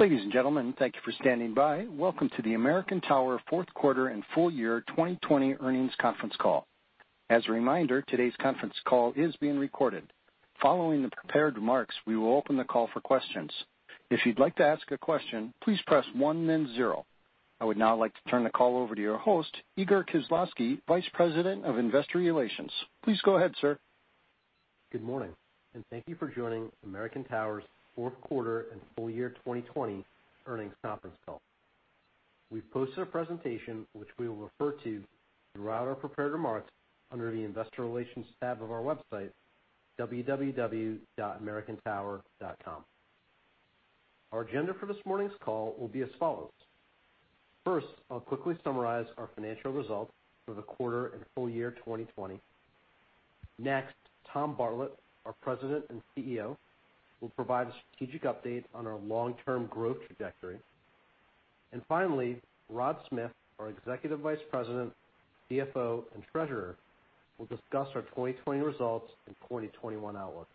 Ladies and gentlemen, thank you for standing by. Welcome to the American Tower fourth quarter and full year 2020 earnings conference call. As a reminder, today's conference call is being recorded. Following the prepared remarks, we will open the call for questions. If you'd like to ask a question, please press one then zero. I would now like to turn the call over to your host, Igor Khislavsky, Vice President of Investor Relations. Please go ahead, sir. Good morning. Thank you for joining American Tower's fourth quarter and full year 2020 earnings conference call. We've posted a presentation, which we will refer to throughout our prepared remarks under the investor relations tab of our website, www.americantower.com. Our agenda for this morning's call will be as follows. First, I'll quickly summarize our financial results for the quarter and full year 2020. Next, Tom Bartlett, our President and CEO, will provide a strategic update on our long-term growth trajectory. Finally, Rod Smith, our Executive Vice President, CFO, and Treasurer, will discuss our 2020 results and 2021 outlook.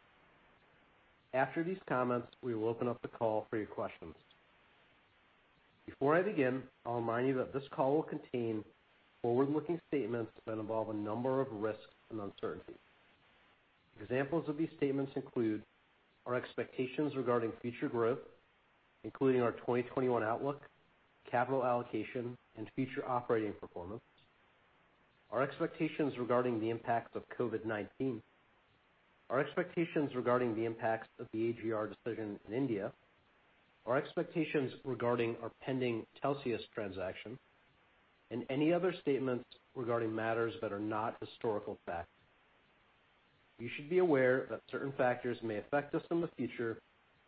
After these comments, we will open up the call for your questions. Before I begin, I'll remind you that this call will contain forward-looking statements that involve a number of risks and uncertainties. Examples of these statements include our expectations regarding future growth, including our 2021 outlook, capital allocation, and future operating performance, our expectations regarding the impacts of COVID-19, our expectations regarding the impacts of the AGR decision in India, our expectations regarding our pending Telxius transaction, and any other statements regarding matters that are not historical facts. You should be aware that certain factors may affect us in the future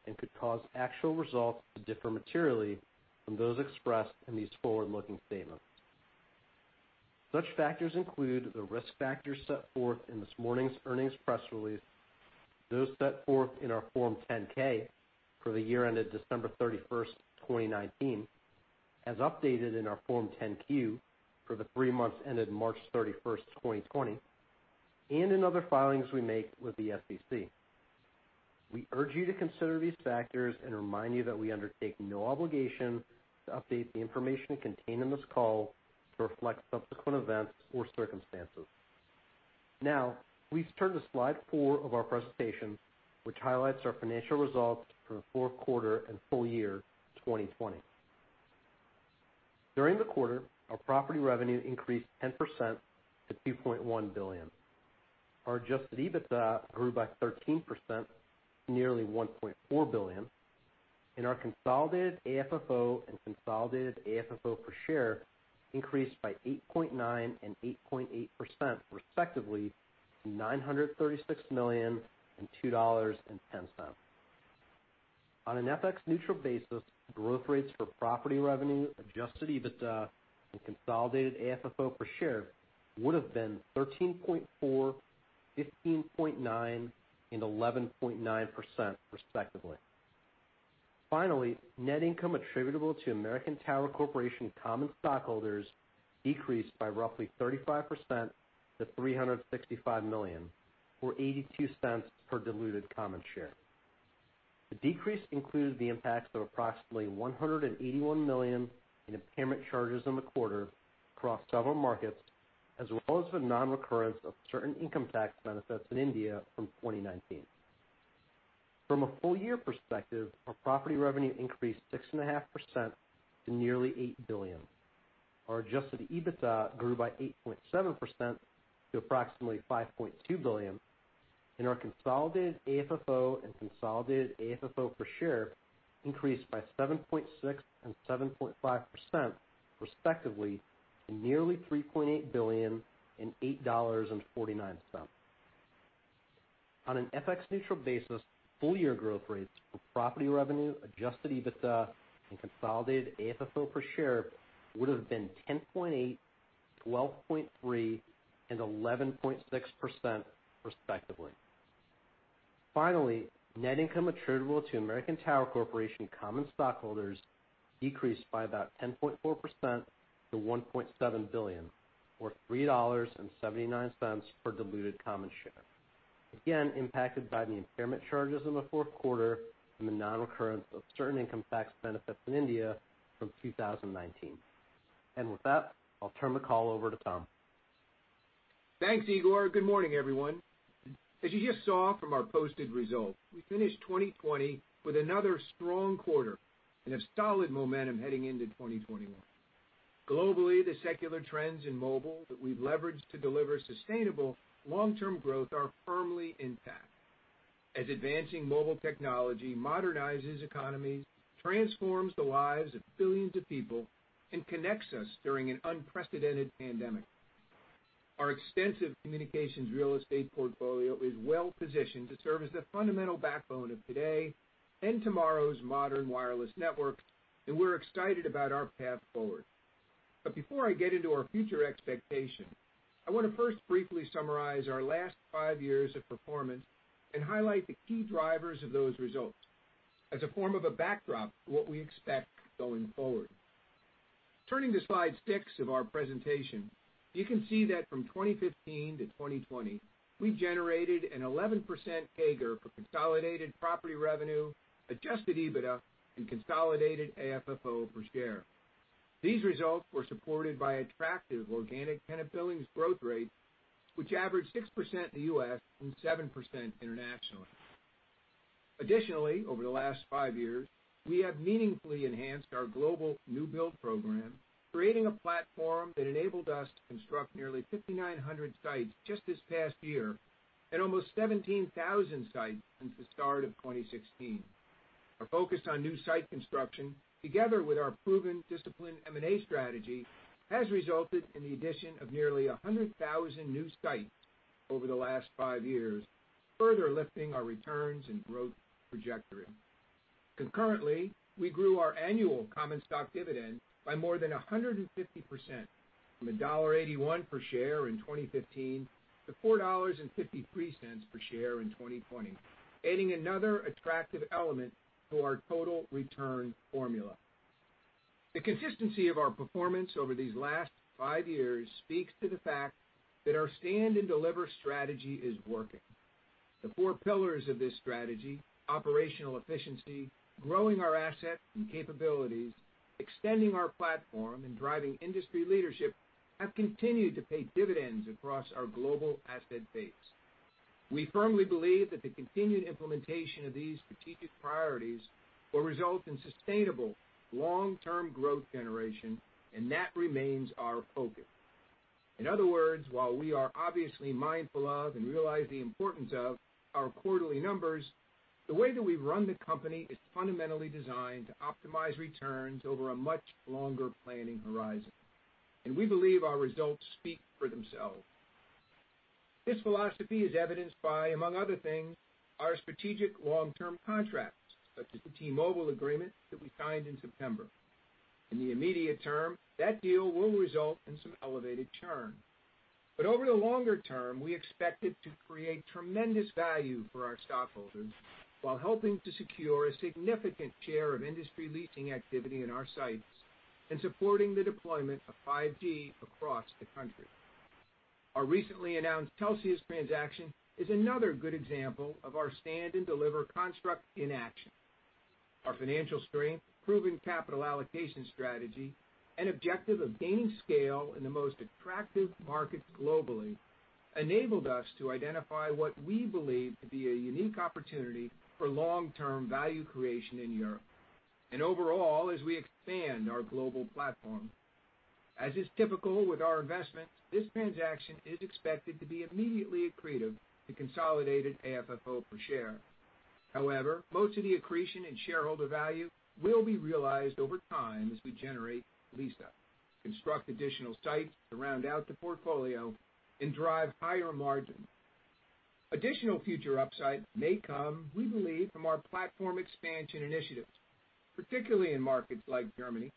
and could cause actual results to differ materially from those expressed in these forward-looking statements. Such factors include the risk factors set forth in this morning's earnings press release, those set forth in our Form 10-K for the year ended December 31st, 2019, as updated in our Form 10-Q for the three months ended March 31st, 2020, and in other filings we make with the SEC. We urge you to consider these factors and remind you that we undertake no obligation to update the information contained in this call to reflect subsequent events or circumstances. Now, please turn to slide four of our presentation, which highlights our financial results for the fourth quarter and full year 2020. During the quarter, our property revenue increased 10% to $2.1 billion. Our adjusted EBITDA grew by 13%, to nearly $1.4 billion, and our consolidated AFFO and consolidated AFFO per share increased by 8.9% and 8.8%, respectively, to $936 million and $2.10. On an FX-neutral basis, growth rates for property revenue, adjusted EBITDA, and consolidated AFFO per share would've been 13.4%, 15.9%, and 11.9%, respectively. Finally, net income attributable to American Tower Corporation common stockholders decreased by roughly 35% to $365 million, or $0.82 per diluted common share. The decrease includes the impacts of approximately $181 million in impairment charges in the quarter across several markets, as well as the non-recurrence of certain income tax benefits in India from 2019. From a full-year perspective, our property revenue increased 6.5% to nearly $8 billion. Our adjusted EBITDA grew by 8.7% to approximately $5.2 billion, and our consolidated AFFO and consolidated AFFO per share increased by 7.6% and 7.5%, respectively, to nearly $3.8 billion and $8.49. On an FX-neutral basis, full-year growth rates for property revenue, adjusted EBITDA, and consolidated AFFO per share would've been 10.8%, 12.3%, and 11.6%, respectively. Finally, net income attributable to American Tower Corporation common stockholders decreased by about 10.4% to $1.7 billion, or $3.79 per diluted common share, again impacted by the impairment charges in the fourth quarter and the non-recurrence of certain income tax benefits in India from 2019. With that, I'll turn the call over to Tom. Thanks, Igor. Good morning, everyone. As you just saw from our posted results, we finished 2020 with another strong quarter and a solid momentum heading into 2021. Globally, the secular trends in mobile that we've leveraged to deliver sustainable long-term growth are firmly intact as advancing mobile technology modernizes economies, transforms the lives of billions of people, and connects us during an unprecedented pandemic. Our extensive communications real estate portfolio is well positioned to serve as the fundamental backbone of today and tomorrow's modern wireless network, and we're excited about our path forward. Before I get into our future expectations, I want to first briefly summarize our last five years of performance and highlight the key drivers of those results as a form of a backdrop to what we expect going forward. Turning to slide six of our presentation, you can see that from 2015 to 2020, we generated an 11% CAGR for consolidated property revenue, adjusted EBITDA, and consolidated AFFO per share. These results were supported by attractive organic tenant billings growth rates, which averaged 6% in the U.S. and 7% internationally. Additionally, over the last five years, we have meaningfully enhanced our global new build program, creating a platform that enabled us to construct nearly 5,900 sites just this past year and almost 17,000 sites since the start of 2016. Our focus on new site construction, together with our proven disciplined M&A strategy, has resulted in the addition of nearly 100,000 new sites over the last five years, further lifting our returns and growth trajectory. Concurrently, we grew our annual common stock dividend by more than 150%, from $1.81 per share in 2015 to $4.53 per share in 2020, adding another attractive element to our total return formula. The consistency of our performance over these last five years speaks to the fact that our Stand and Deliver strategy is working. The four pillars of this strategy, operational efficiency, growing our assets and capabilities, extending our platform, and driving industry leadership, have continued to pay dividends across our global asset base. We firmly believe that the continued implementation of these strategic priorities will result in sustainable long-term growth generation, and that remains our focus. In other words, while we are obviously mindful of and realize the importance of our quarterly numbers, the way that we run the company is fundamentally designed to optimize returns over a much longer planning horizon, and we believe our results speak for themselves. This philosophy is evidenced by, among other things, our strategic long-term contracts, such as the T-Mobile agreement that we signed in September. In the immediate term, that deal will result in some elevated churn. Over the longer term, we expect it to create tremendous value for our stockholders while helping to secure a significant share of industry leasing activity in our sites and supporting the deployment of 5G across the country. Our recently announced Telxius transaction is another good example of our Stand and Deliver construct in action. Our financial strength, proven capital allocation strategy, and objective of gaining scale in the most attractive markets globally enabled us to identify what we believe to be a unique opportunity for long-term value creation in Europe and overall as we expand our global platform. As is typical with our investments, this transaction is expected to be immediately accretive to consolidated AFFO per share. However, most of the accretion in shareholder value will be realized over time as we generate lease-up, construct additional sites to round out the portfolio, and drive higher margins. Additional future upside may come, we believe, from our platform expansion initiatives, particularly in markets like Germany,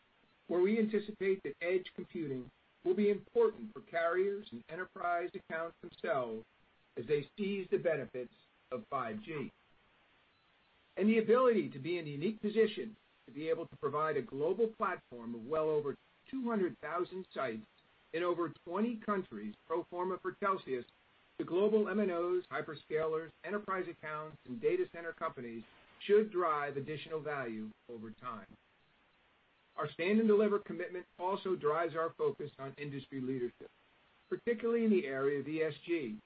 where we anticipate that edge computing will be important for carriers and enterprise accounts themselves as they seize the benefits of 5G. The ability to be in a unique position to be able to provide a global platform of well over 200,000 sites in over 20 countries pro forma for Telxius to global MNOs, hyperscalers, enterprise accounts, and data center companies should drive additional value over time. Our Stand and Deliver commitment also drives our focus on industry leadership, particularly in the area of ESG,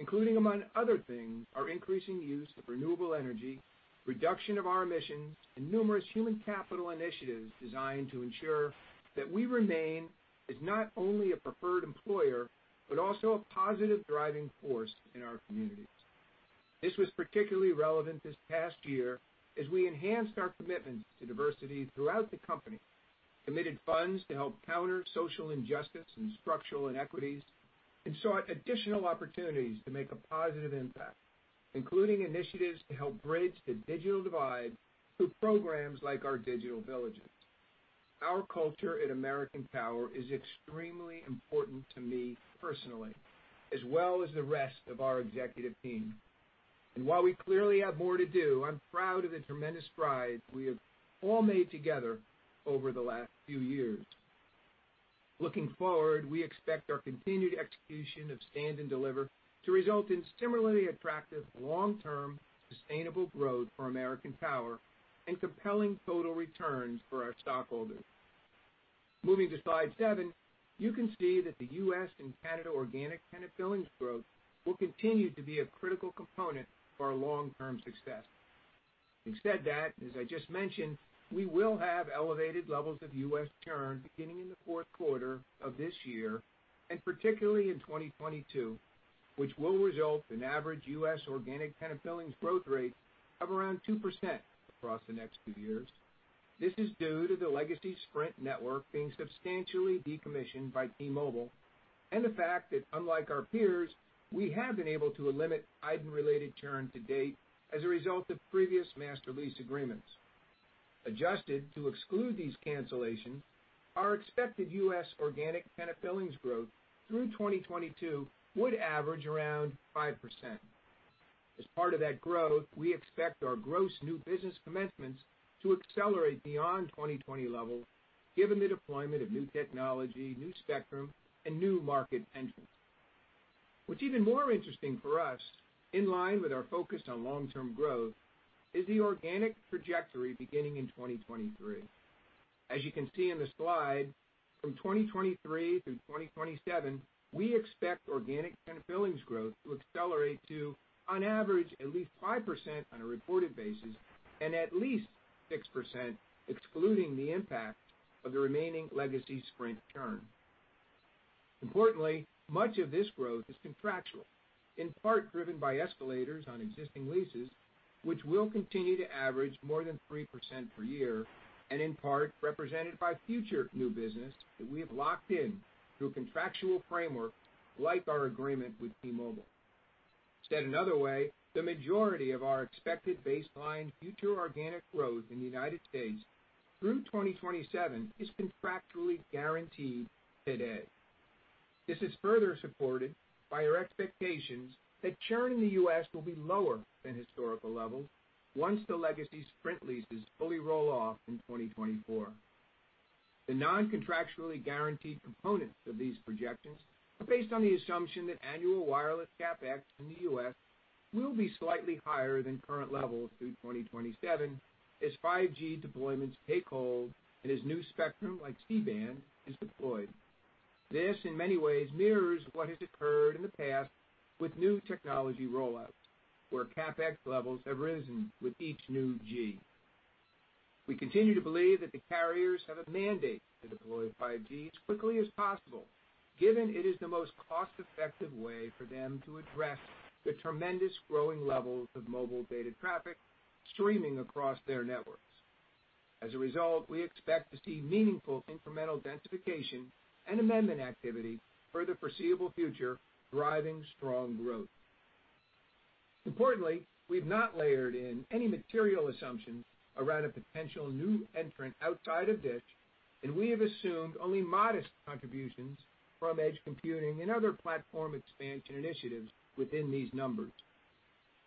including, among other things, our increasing use of renewable energy, reduction of our emissions, and numerous human capital initiatives designed to ensure that we remain as not only a preferred employer but also a positive driving force in our communities. This was particularly relevant this past year as we enhanced our commitment to diversity throughout the company, committed funds to help counter social injustice and structural inequities, and sought additional opportunities to make a positive impact, including initiatives to help bridge the digital divide through programs like our Digital Villages. Our culture at American Tower is extremely important to me personally, as well as the rest of our executive team. While we clearly have more to do, I'm proud of the tremendous strides we have all made together over the last few years. Looking forward, we expect our continued execution of Stand and Deliver to result in similarly attractive long-term sustainable growth for American Tower and compelling total returns for our stockholders. Moving to slide seven, you can see that the U.S. and Canada organic tenant billings growth will continue to be a critical component for our long-term success. We've said that, as I just mentioned, we will have elevated levels of U.S. churn beginning in the fourth quarter of this year, and particularly in 2022, which will result in average U.S. organic tenant billings growth rates of around 2% across the next few years. This is due to the legacy Sprint network being substantially decommissioned by T-Mobile and the fact that, unlike our peers, we have been able to limit iDEN-related churn to date as a result of previous master lease agreements. Adjusted to exclude these cancellations, our expected U.S. organic tenant billings growth through 2022 would average around 5%. As part of that growth, we expect our gross new business commencements to accelerate beyond 2020 levels, given the deployment of new technology, new spectrum, and new market entrants. What's even more interesting for us, in line with our focus on long-term growth, is the organic trajectory beginning in 2023. As you can see in the slide, from 2023 through 2027, we expect organic tenant billings growth to accelerate to, on average, at least 5% on a reported basis, and at least 6%, excluding the impact of the remaining legacy Sprint churn. Importantly, much of this growth is contractual, in part driven by escalators on existing leases, which will continue to average more than 3% per year, and in part represented by future new business that we have locked in through a contractual framework like our agreement with T-Mobile. Said another way, the majority of our expected baseline future organic growth in the U.S. through 2027 is contractually guaranteed today. This is further supported by our expectations that churn in the U.S. will be lower than historical levels once the legacy Sprint leases fully roll off in 2024. The non-contractually guaranteed components of these projections are based on the assumption that annual wireless CapEx in the U.S. will be slightly higher than current levels through 2027 as 5G deployments take hold and as new spectrum like C-band is deployed. This, in many ways, mirrors what has occurred in the past with new technology rollouts, where CapEx levels have risen with each new G. We continue to believe that the carriers have a mandate to deploy 5G as quickly as possible, given it is the most cost-effective way for them to address the tremendous growing levels of mobile data traffic streaming across their networks. As a result, we expect to see meaningful incremental densification and amendment activity for the foreseeable future, driving strong growth. Importantly, we've not layered in any material assumptions around a potential new entrant outside of DISH, and we have assumed only modest contributions from edge computing and other platform expansion initiatives within these numbers.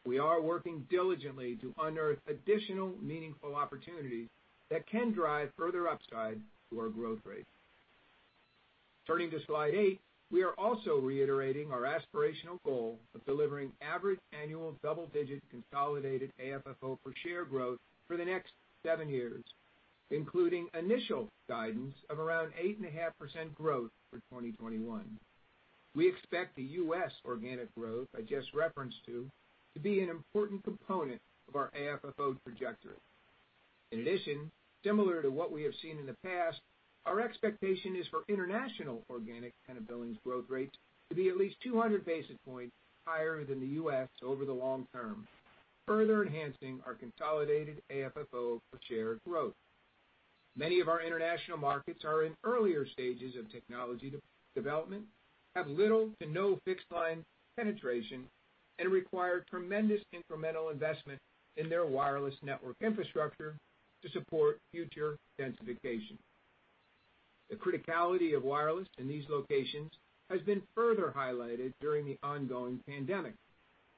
We are working diligently to unearth additional meaningful opportunities that can drive further upside to our growth rate. Turning to slide eight, we are also reiterating our aspirational goal of delivering average annual double-digit consolidated AFFO per share growth for the next seven years, including initial guidance of around 8.5% growth for 2021. We expect the U.S. organic growth I just referenced to be an important component of our AFFO trajectory. In addition, similar to what we have seen in the past, our expectation is for international organic tenant billings growth rates to be at least 200 basis points higher than the U.S. over the long term, further enhancing our consolidated AFFO per share growth. Many of our international markets are in earlier stages of technology development, have little to no fixed line penetration, and require tremendous incremental investment in their wireless network infrastructure to support future densification. The criticality of wireless in these locations has been further highlighted during the ongoing pandemic,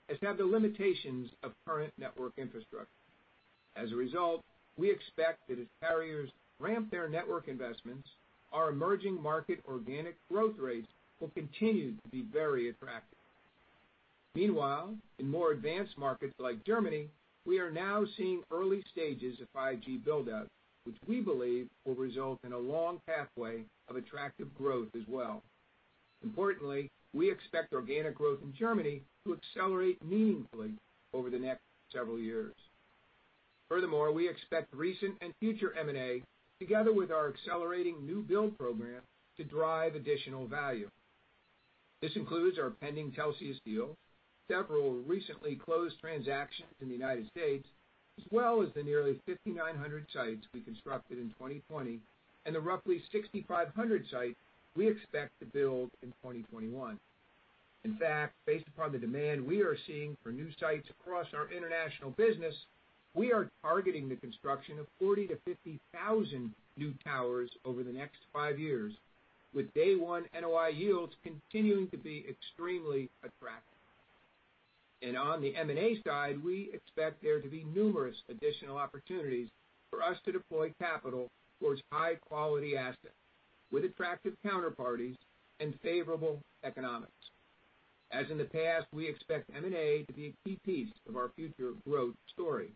as have the limitations of current network infrastructure. As a result, we expect that as carriers ramp their network investments, our emerging market organic growth rates will continue to be very attractive. Meanwhile, in more advanced markets like Germany, we are now seeing early stages of 5G build-out, which we believe will result in a long pathway of attractive growth as well. Importantly, we expect organic growth in Germany to accelerate meaningfully over the next several years. Furthermore, we expect recent and future M&A, together with our accelerating new build program, to drive additional value. This includes our pending Telxius deal, several recently closed transactions in the U.S., as well as the nearly 5,900 sites we constructed in 2020, and the roughly 6,500 sites we expect to build in 2021. In fact, based upon the demand we are seeing for new sites across our international business, we are targeting the construction of 40,000-50,000 new towers over the next five years, with day-one NOI yields continuing to be extremely attractive. On the M&A side, we expect there to be numerous additional opportunities for us to deploy capital towards high-quality assets with attractive counterparties and favorable economics. As in the past, we expect M&A to be a key piece of our future growth story.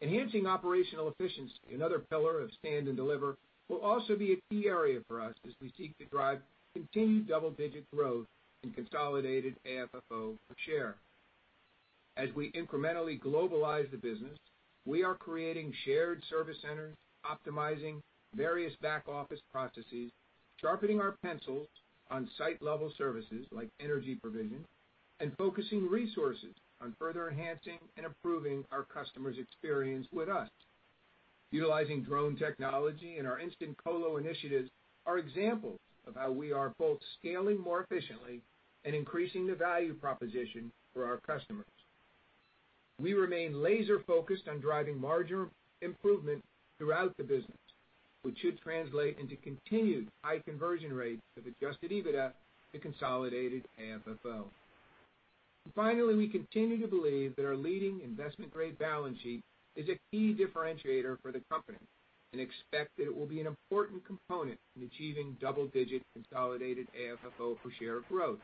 Enhancing operational efficiency, another pillar of Stand and Deliver, will also be a key area for us as we seek to drive continued double-digit growth in consolidated AFFO per share. As we incrementally globalize the business, we are creating shared service centers, optimizing various back-office processes, sharpening our pencils on site-level services like energy provision, and focusing resources on further enhancing and improving our customers' experience with us. Utilizing drone technology and our instant colo initiatives are examples of how we are both scaling more efficiently and increasing the value proposition for our customers. We remain laser-focused on driving margin improvement throughout the business, which should translate into continued high conversion rates of adjusted EBITDA to consolidated AFFO. Finally, we continue to believe that our leading investment-grade balance sheet is a key differentiator for the company and expect that it will be an important component in achieving double-digit consolidated AFFO per share growth.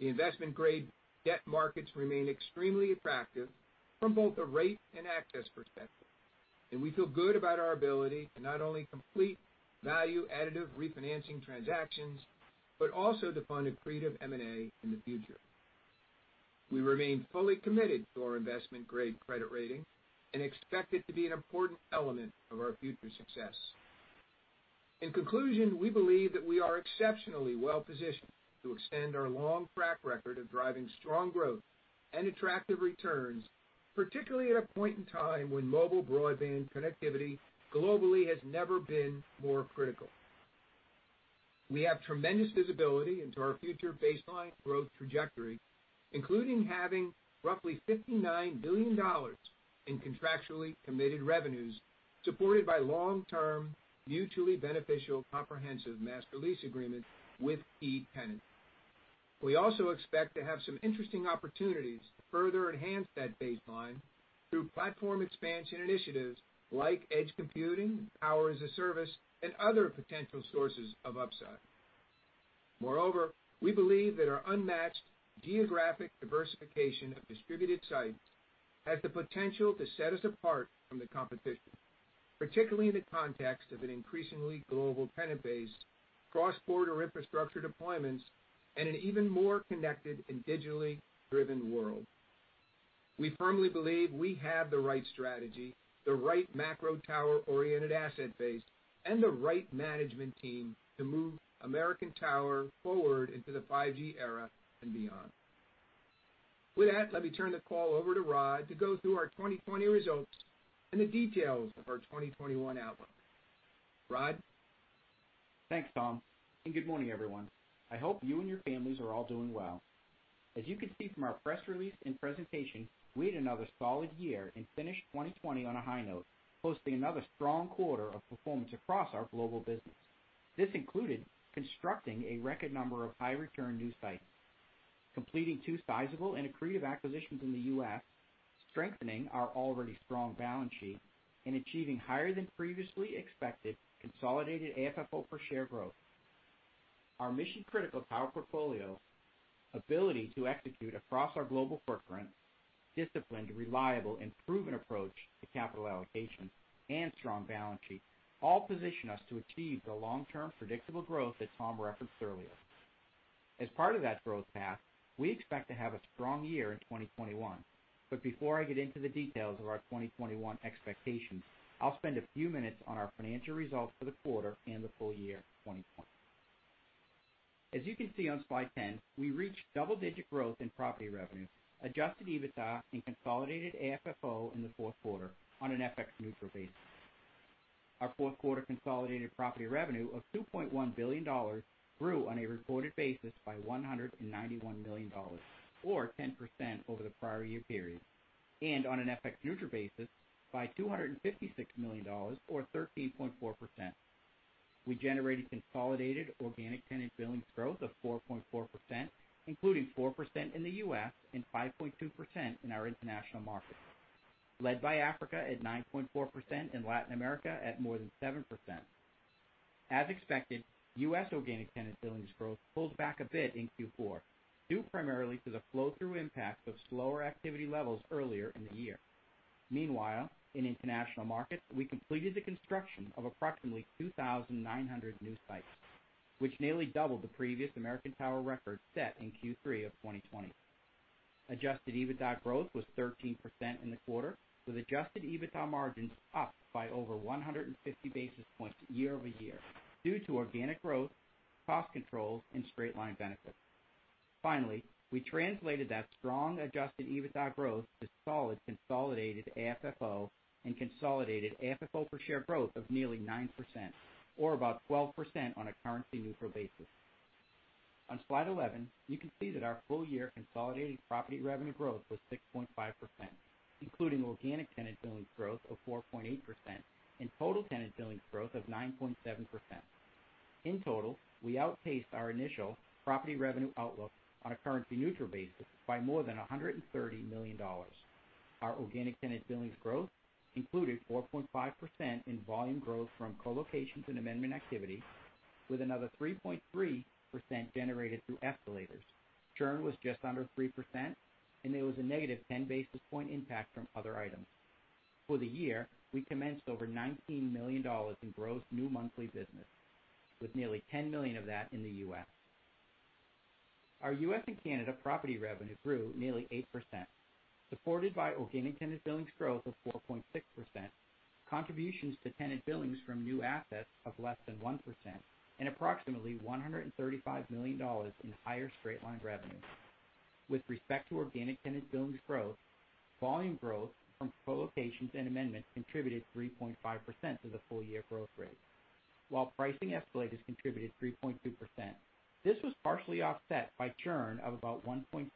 The investment-grade debt markets remain extremely attractive from both a rate and access perspective, and we feel good about our ability to not only complete value-additive refinancing transactions but also to fund accretive M&A in the future. We remain fully committed to our investment-grade credit rating and expect it to be an important element of our future success. In conclusion, we believe that we are exceptionally well positioned to extend our long track record of driving strong growth and attractive returns, particularly at a point in time when mobile broadband connectivity globally has never been more critical. We have tremendous visibility into our future baseline growth trajectory, including having roughly $59 billion in contractually committed revenues supported by long-term, mutually beneficial comprehensive master lease agreements with key tenants. We also expect to have some interesting opportunities to further enhance that baseline through platform expansion initiatives like edge computing, power as a service, and other potential sources of upside. Moreover, we believe that our unmatched geographic diversification of distributed sites has the potential to set us apart from the competition, particularly in the context of an increasingly global tenant base, cross-border infrastructure deployments, and an even more connected and digitally driven world. We firmly believe we have the right strategy, the right macro tower-oriented asset base, and the right management team to move American Tower forward into the 5G era and beyond. Let me turn the call over to Rod to go through our 2020 results and the details of our 2021 outlook. Rod? Thanks, Tom. Good morning, everyone. I hope you and your families are all doing well. As you can see from our press release and presentation, we had another solid year and finished 2020 on a high note, posting another strong quarter of performance across our global business. This included constructing a record number of high-return new sites, completing two sizable and accretive acquisitions in the U.S., strengthening our already strong balance sheet, and achieving higher than previously expected consolidated AFFO per share growth. Our mission-critical tower portfolio ability to execute across our global footprint, disciplined, reliable, and proven approach to capital allocation, and strong balance sheet all position us to achieve the long-term predictable growth that Tom referenced earlier. As part of that growth path, we expect to have a strong year in 2021. Before I get into the details of our 2021 expectations, I'll spend a few minutes on our financial results for the quarter and the full year 2020. As you can see on slide 10, we reached double-digit growth in property revenue, adjusted EBITDA, and consolidated AFFO in the fourth quarter on an FX-neutral basis. Our fourth quarter consolidated property revenue of $2.1 billion grew on a reported basis by $191 million or 10% over the prior-year period, and on an FX-neutral basis by $256 million or 13.4%. We generated consolidated organic tenant billings growth of 4.4%, including 4% in the U.S. and 5.2% in our international markets, led by Africa at 9.4% and Latin America at more than 7%. As expected, U.S. organic tenant billings growth pulled back a bit in Q4, due primarily to the flow-through impact of slower activity levels earlier in the year. Meanwhile, in international markets, we completed the construction of approximately 2,900 new sites, which nearly doubled the previous American Tower record set in Q3 of 2020. Adjusted EBITDA growth was 13% in the quarter, with adjusted EBITDA margins up by over 150 basis points year-over-year due to organic growth, cost controls, and straight-line benefits. Finally, we translated that strong adjusted EBITDA growth to solid consolidated AFFO and consolidated AFFO per share growth of nearly 9% or about 12% on a currency-neutral basis. On slide 11, you can see that our full-year consolidated property revenue growth was 6.5%, including organic tenant billings growth of 4.8% and total tenant billings growth of 9.7%. In total, we outpaced our initial property revenue outlook on a currency-neutral basis by more than $130 million. Our organic tenant billings growth included 4.5% in volume growth from co-locations and amendment activity, with another 3.3% generated through escalators. Churn was just under 3%, and there was a -10 basis point impact from other items. For the year, we commenced over $19 million in gross new monthly business, with nearly $10 million of that in the U.S. Our U.S. and Canada property revenue grew nearly 8%, supported by organic tenant billings growth of 4.6%, contributions to tenant billings from new assets of less than 1%, and approximately $135 million in higher straight-line revenue. With respect to organic tenant billings growth, volume growth from co-locations and amendments contributed 3.5% to the full-year growth rate. While pricing escalators contributed 3.2%, this was partially offset by churn of about 1.7%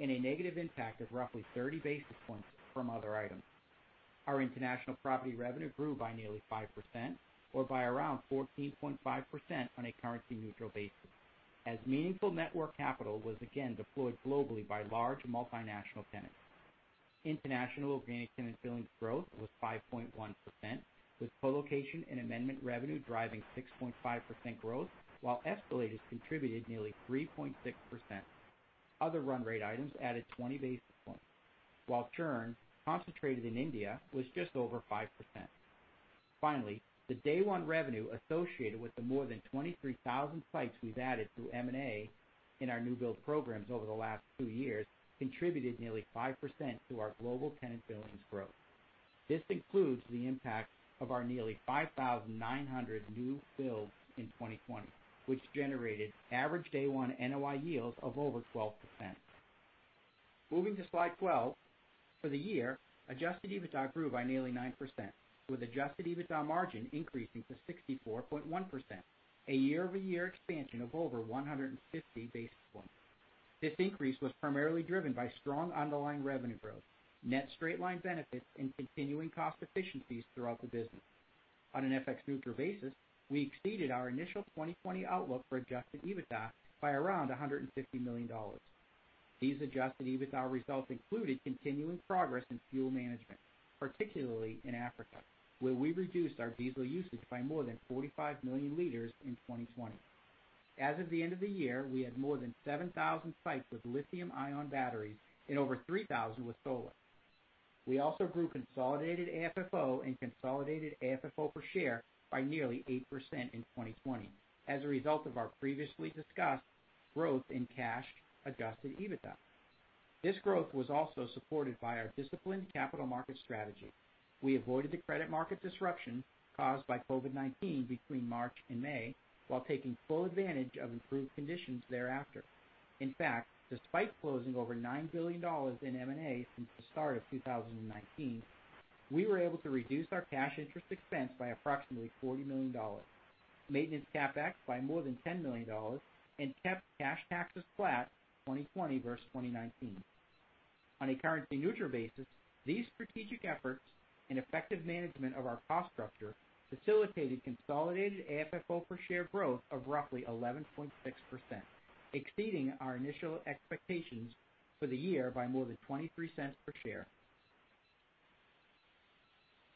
and a negative impact of roughly 30 basis points from other items. Our international property revenue grew by nearly 5% or by around 14.5% on a currency-neutral basis, as meaningful network capital was again deployed globally by large multinational tenants. International organic tenant billings growth was 5.1%, with colocation and amendment revenue driving 6.5% growth, while escalators contributed nearly 3.6%. Other run rate items added 20 basis points, while churn, concentrated in India, was just over 5%. Finally, the day-one revenue associated with the more than 23,000 sites we've added through M&A in our new build programs over the last two years contributed nearly 5% to our global tenant billings growth. This includes the impact of our nearly 5,900 new builds in 2020, which generated average day-one NOI yields of over 12%. Moving to Slide 12, for the year, adjusted EBITDA grew by nearly 9%, with adjusted EBITDA margin increasing to 64.1%, a year-over-year expansion of over 150 basis points. This increase was primarily driven by strong underlying revenue growth, net straight-line benefits, and continuing cost efficiencies throughout the business. On an FX-neutral basis, we exceeded our initial 2020 outlook for adjusted EBITDA by around $150 million. These adjusted EBITDA results included continuing progress in fuel management, particularly in Africa, where we reduced our diesel usage by more than 45 million liters in 2020. As of the end of the year, we had more than 7,000 sites with lithium-ion batteries and over 3,000 with solar. We also grew consolidated AFFO and consolidated AFFO per share by nearly 8% in 2020 as a result of our previously discussed growth in cash adjusted EBITDA. This growth was also supported by our disciplined capital market strategy. We avoided the credit market disruption caused by COVID-19 between March and May while taking full advantage of improved conditions thereafter. In fact, despite closing over $9 billion in M&A since the start of 2019, we were able to reduce our cash interest expense by approximately $40 million, maintenance CapEx by more than $10 million, and kept cash taxes flat 2020 versus 2019. On a currency-neutral basis, these strategic efforts and effective management of our cost structure facilitated consolidated AFFO per share growth of roughly 11.6%, exceeding our initial expectations for the year by more than $0.23 per share.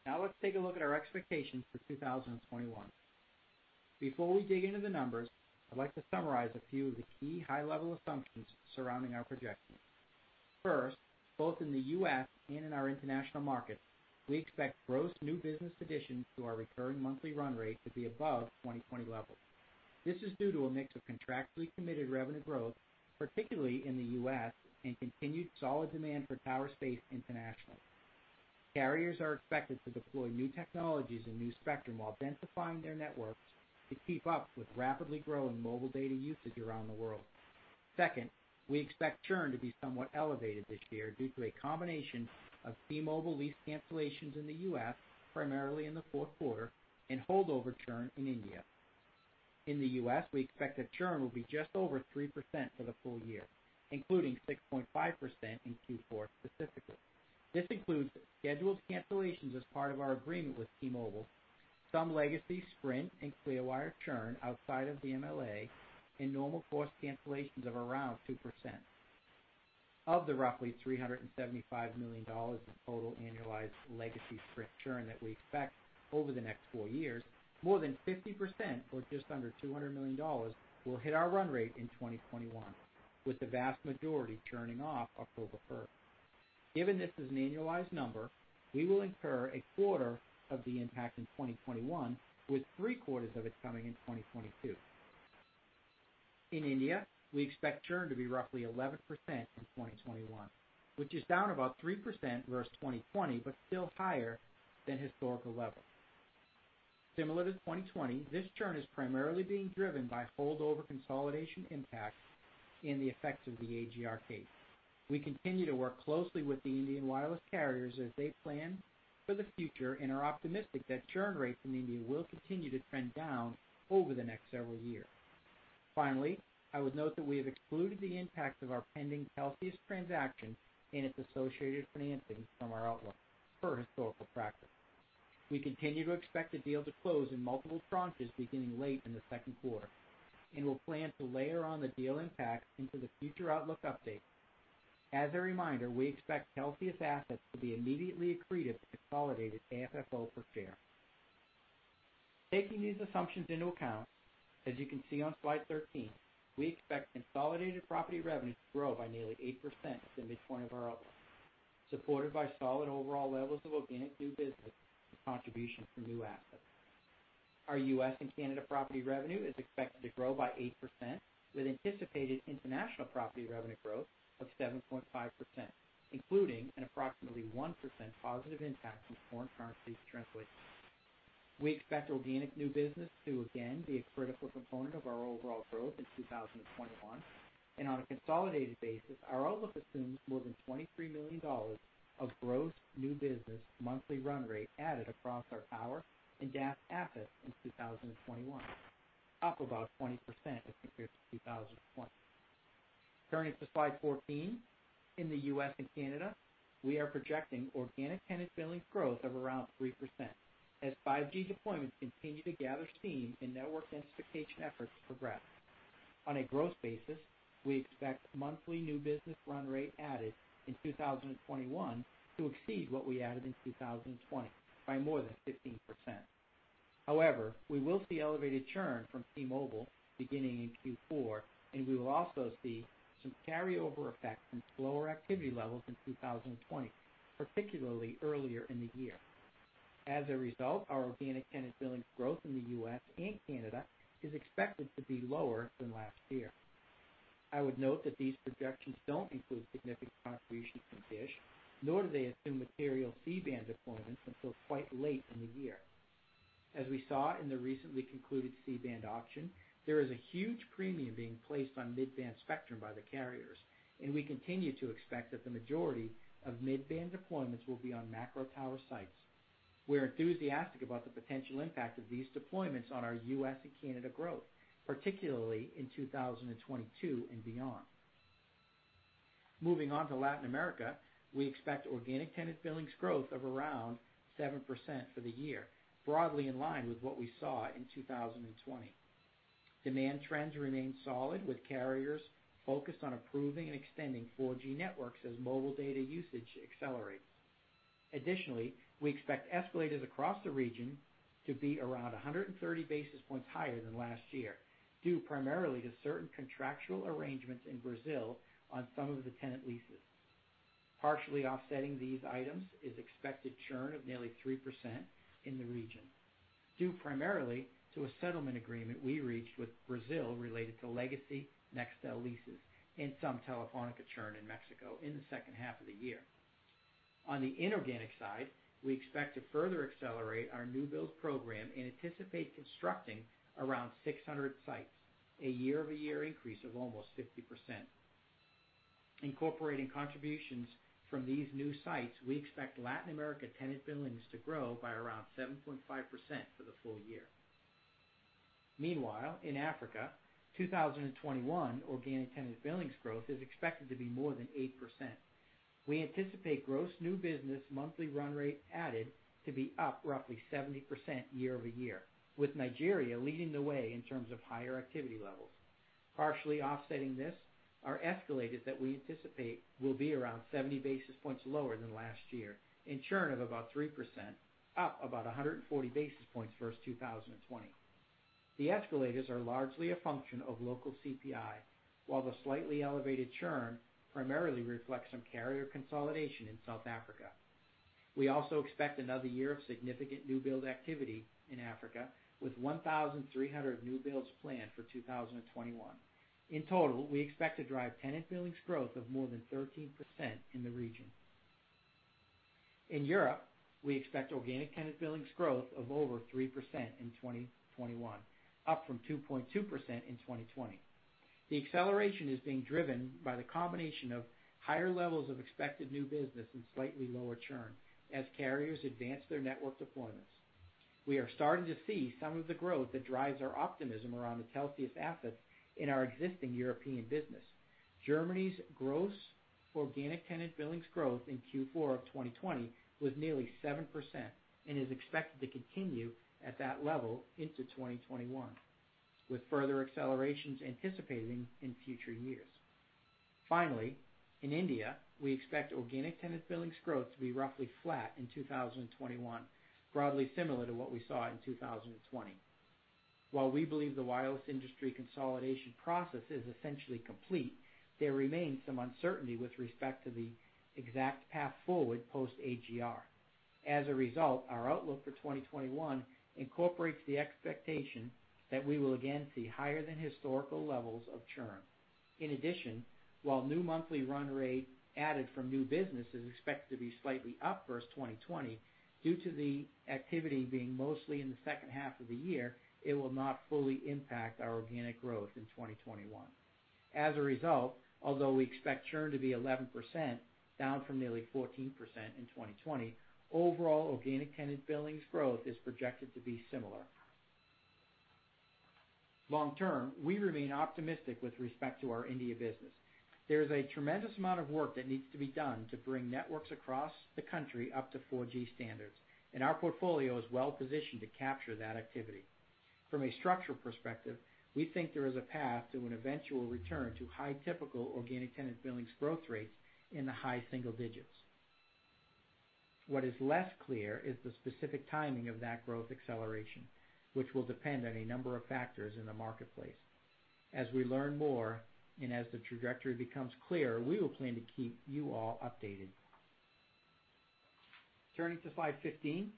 Now let's take a look at our expectations for 2021. Before we dig into the numbers, I'd like to summarize a few of the key high-level assumptions surrounding our projections. First, both in the U.S. and in our international markets, we expect gross new business additions to our recurring monthly run rate to be above 2020 levels. This is due to a mix of contractually committed revenue growth, particularly in the U.S., and continued solid demand for tower space internationally. Carriers are expected to deploy new technologies and new spectrum while densifying their networks to keep up with rapidly growing mobile data usage around the world. Second, we expect churn to be somewhat elevated this year due to a combination of T-Mobile lease cancellations in the U.S., primarily in the fourth quarter, and holdover churn in India. In the U.S., we expect that churn will be just over 3% for the full year, including 6.5% in Q4 specifically. This includes scheduled cancellations as part of our agreement with T-Mobile, some legacy Sprint and Clearwire churn outside of the MLA, and normal course cancellations of around 2%. Of the roughly $375 million of total annualized legacy Sprint churn that we expect over the next four years, more than 50%, or just under $200 million, will hit our run rate in 2021, with the vast majority churning off October 1st. Given this is an annualized number, we will incur a quarter of the impact in 2021, with three quarters of it coming in 2022. In India, we expect churn to be roughly 11% in 2021, which is down about 3% versus 2020, but still higher than historical levels. Similar to 2020, this churn is primarily being driven by holdover consolidation impacts and the effects of the AGR case. We continue to work closely with the Indian wireless carriers as they plan for the future and are optimistic that churn rates in India will continue to trend down over the next several years. Finally, I would note that we have excluded the impact of our pending Telxius transaction and its associated financing from our outlook per historical practice. We continue to expect the deal to close in multiple tranches beginning late in the second quarter and will plan to layer on the deal impact into the future outlook updates. As a reminder, we expect Telxius assets to be immediately accretive to consolidated AFFO per share. Taking these assumptions into account, as you can see on Slide 13, we expect consolidated property revenue to grow by nearly 8% at the midpoint of our outlook, supported by solid overall levels of organic new business and contributions from new assets. Our U.S. and Canada property revenue is expected to grow by 8%, with anticipated international property revenue growth of 7.5%, including an approximately 1% positive impact from foreign currency translation. We expect organic new business to again be a critical component of our overall growth in 2021. On a consolidated basis, our outlook assumes more than $23 million of gross new business monthly run rate added across our tower and DAS assets in 2021, up about 20% as compared to 2020. Turning to slide 14. In the U.S. and Canada, we are projecting organic tenant billings growth of around 3% as 5G deployments continue to gather steam and network densification efforts progress. On a gross basis, we expect monthly new business run rate added in 2021 to exceed what we added in 2020 by more than 15%. However, we will see elevated churn from T-Mobile beginning in Q4. We will also see some carryover effect from slower activity levels in 2020, particularly earlier in the year. As a result, our organic tenant billings growth in the U.S. and Canada is expected to be lower than last year. I would note that these projections don't include significant contributions from DISH, nor do they assume material C-band deployments until quite late in the year. As we saw in the recently concluded C-band auction, there is a huge premium being placed on mid-band spectrum by the carriers, and we continue to expect that the majority of mid-band deployments will be on macro tower sites. We're enthusiastic about the potential impact of these deployments on our U.S. and Canada growth, particularly in 2022 and beyond. Moving on to Latin America, we expect organic tenant billings growth of around 7% for the year, broadly in line with what we saw in 2020. Demand trends remain solid, with carriers focused on improving and extending 4G networks as mobile data usage accelerates. Additionally, we expect escalators across the region to be around 130 basis points higher than last year, due primarily to certain contractual arrangements in Brazil on some of the tenant leases. Partially offsetting these items is expected churn of nearly 3% in the region, due primarily to a settlement agreement we reached with Brazil related to legacy Nextel leases and some Telefónica churn in Mexico in the second half of the year. On the inorganic side, we expect to further accelerate our new builds program and anticipate constructing around 600 sites, a year-over-year increase of almost 50%. Incorporating contributions from these new sites, we expect Latin America tenant billings to grow by around 7.5% for the full year. Meanwhile, in Africa, 2021 organic tenant billings growth is expected to be more than 8%. We anticipate gross new business monthly run rate added to be up roughly 70% year-over-year, with Nigeria leading the way in terms of higher activity levels. Partially offsetting this are escalators that we anticipate will be around 70 basis points lower than last year and churn of about 3%, up about 140 basis points versus 2020. The escalators are largely a function of local CPI, while the slightly elevated churn primarily reflects some carrier consolidation in South Africa. We also expect another year of significant new build activity in Africa, with 1,300 new builds planned for 2021. In total, we expect to drive tenant billings growth of more than 13% in the region. In Europe, we expect organic tenant billings growth of over 3% in 2021, up from 2.2% in 2020. The acceleration is being driven by the combination of higher levels of expected new business and slightly lower churn as carriers advance their network deployments. We are starting to see some of the growth that drives our optimism around the Telxius assets in our existing European business. Germany's gross organic tenant billings growth in Q4 of 2020 was nearly 7% and is expected to continue at that level into 2021, with further accelerations anticipating in future years. Finally, in India, we expect organic tenant billings growth to be roughly flat in 2021, broadly similar to what we saw in 2020. While we believe the wireless industry consolidation process is essentially complete, there remains some uncertainty with respect to the exact path forward post-AGR. As a result, our outlook for 2021 incorporates the expectation that we will again see higher than historical levels of churn. While new monthly run rate added from new business is expected to be slightly up versus 2020, due to the activity being mostly in the second half of the year, it will not fully impact our organic growth in 2021. Although we expect churn to be 11%, down from nearly 14% in 2020, overall organic tenant billings growth is projected to be similar. Long term, we remain optimistic with respect to our India business. There is a tremendous amount of work that needs to be done to bring networks across the country up to 4G standards, and our portfolio is well positioned to capture that activity. From a structural perspective, we think there is a path to an eventual return to high typical organic tenant billings growth rates in the high single digits. What is less clear is the specific timing of that growth acceleration, which will depend on a number of factors in the marketplace. As we learn more and as the trajectory becomes clearer, we will plan to keep you all updated. Turning to slide 15.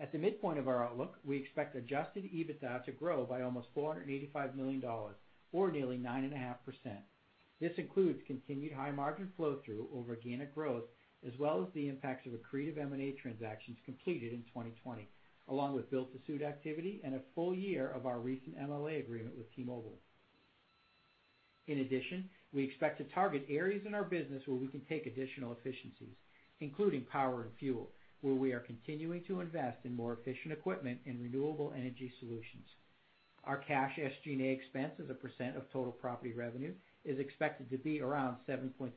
At the midpoint of our outlook, we expect adjusted EBITDA to grow by almost $485 million or nearly 9.5%. This includes continued high margin flow-through over organic growth, as well as the impacts of accretive M&A transactions completed in 2020, along with build-to-suit activity and a full year of our recent MLA agreement with T-Mobile. In addition, we expect to target areas in our business where we can take additional efficiencies, including power and fuel, where we are continuing to invest in more efficient equipment and renewable energy solutions. Our cash SG&A expense as a percent of total property revenue is expected to be around 7.3%,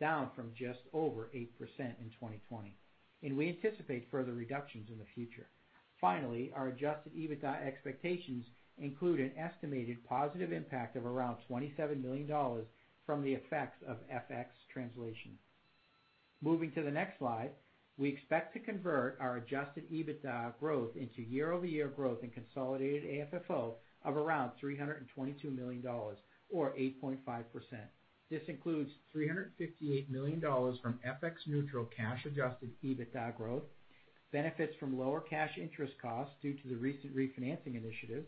down from just over 8% in 2020, and we anticipate further reductions in the future. Finally, our adjusted EBITDA expectations include an estimated positive impact of around $27 million from the effects of FX translation. Moving to the next slide. We expect to convert our adjusted EBITDA growth into year-over-year growth in consolidated AFFO of around $322 million, or 8.5%. This includes $358 million from FX-neutral cash adjusted EBITDA growth, benefits from lower cash interest costs due to the recent refinancing initiative,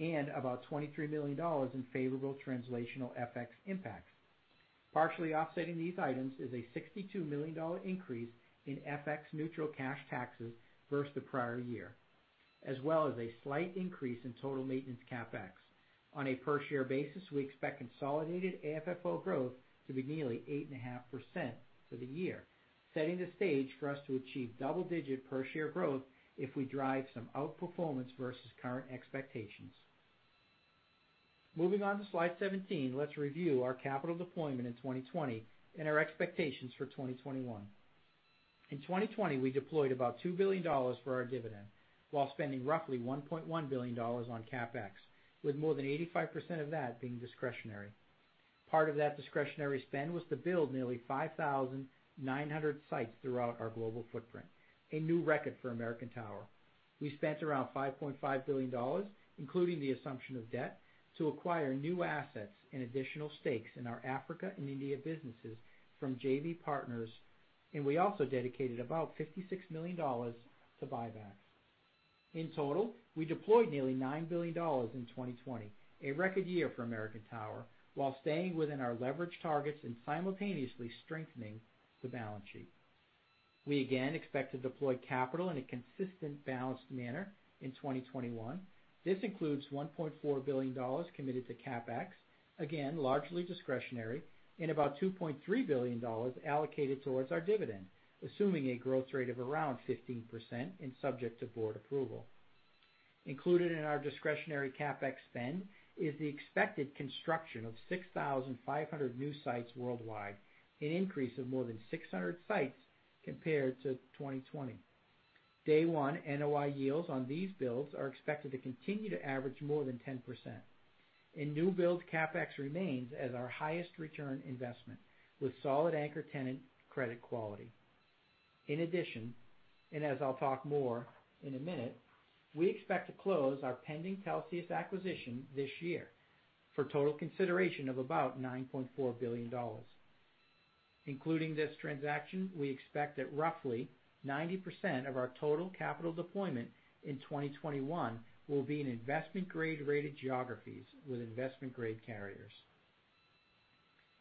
and about $23 million in favorable translational FX impacts. Partially offsetting these items is a $62 million increase in FX-neutral cash taxes versus the prior year, as well as a slight increase in total maintenance CapEx. On a per-share basis, we expect consolidated AFFO growth to be nearly 8.5% for the year, setting the stage for us to achieve double-digit per-share growth if we drive some outperformance versus current expectations. Moving on to slide 17, let's review our capital deployment in 2020 and our expectations for 2021. In 2020, we deployed about $2 billion for our dividend while spending roughly $1.1 billion on CapEx, with more than 85% of that being discretionary. Part of that discretionary spend was to build nearly 5,900 sites throughout our global footprint, a new record for American Tower. We spent around $5.5 billion, including the assumption of debt, to acquire new assets and additional stakes in our Africa and India businesses from JV partners, and we also dedicated about $56 million to buyback. In total, we deployed nearly $9 billion in 2020, a record year for American Tower, while staying within our leverage targets and simultaneously strengthening the balance sheet. We again expect to deploy capital in a consistent, balanced manner in 2021. This includes $1.4 billion committed to CapEx, again, largely discretionary, and about $2.3 billion allocated towards our dividend, assuming a growth rate of around 15% and subject to board approval. Included in our discretionary CapEx spend is the expected construction of 6,500 new sites worldwide, an increase of more than 600 sites compared to 2020. Day-one NOI yields on these builds are expected to continue to average more than 10%, and new build CapEx remains as our highest return investment, with solid anchor tenant credit quality. In addition, and as I'll talk more in a minute, we expect to close our pending Telxius acquisition this year for total consideration of about $9.4 billion. Including this transaction, we expect that roughly 90% of our total capital deployment in 2021 will be in investment-grade-rated geographies with investment-grade carriers.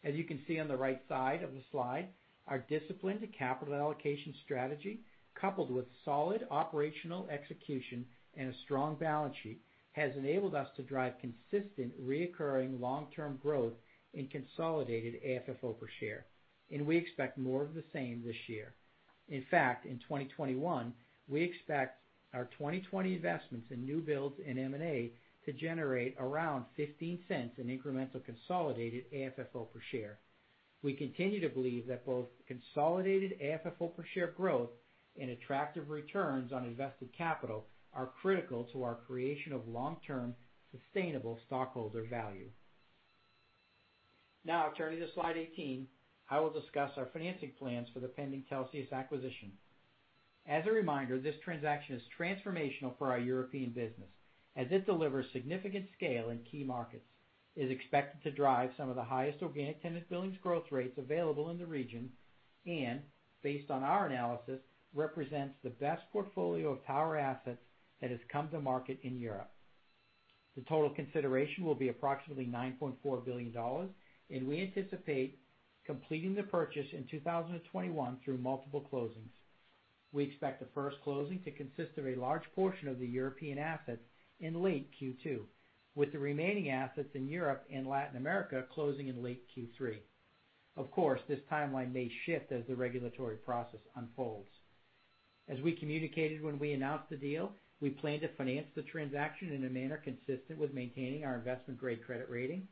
As you can see on the right side of the slide, our disciplined capital allocation strategy, coupled with solid operational execution and a strong balance sheet, has enabled us to drive consistent, reoccurring long-term growth in consolidated AFFO per share, and we expect more of the same this year. In fact, in 2021, we expect our 2020 investments in new builds and M&A to generate around $0.15 in incremental consolidated AFFO per share. We continue to believe that both consolidated AFFO per share growth and attractive returns on invested capital are critical to our creation of long-term, sustainable stockholder value. Now turning to slide 18, I will discuss our financing plans for the pending Telxius acquisition. As a reminder, this transaction is transformational for our European business as it delivers significant scale in key markets, is expected to drive some of the highest organic tenant billings growth rates available in the region, and based on our analysis, represents the best portfolio of tower assets that has come to market in Europe. The total consideration will be approximately $9.4 billion, and we anticipate completing the purchase in 2021 through multiple closings. We expect the first closing to consist of a large portion of the European assets in late Q2, with the remaining assets in Europe and Latin America closing in late Q3. Of course, this timeline may shift as the regulatory process unfolds. As we communicated when we announced the deal, we plan to finance the transaction in a manner consistent with maintaining our investment-grade credit rating.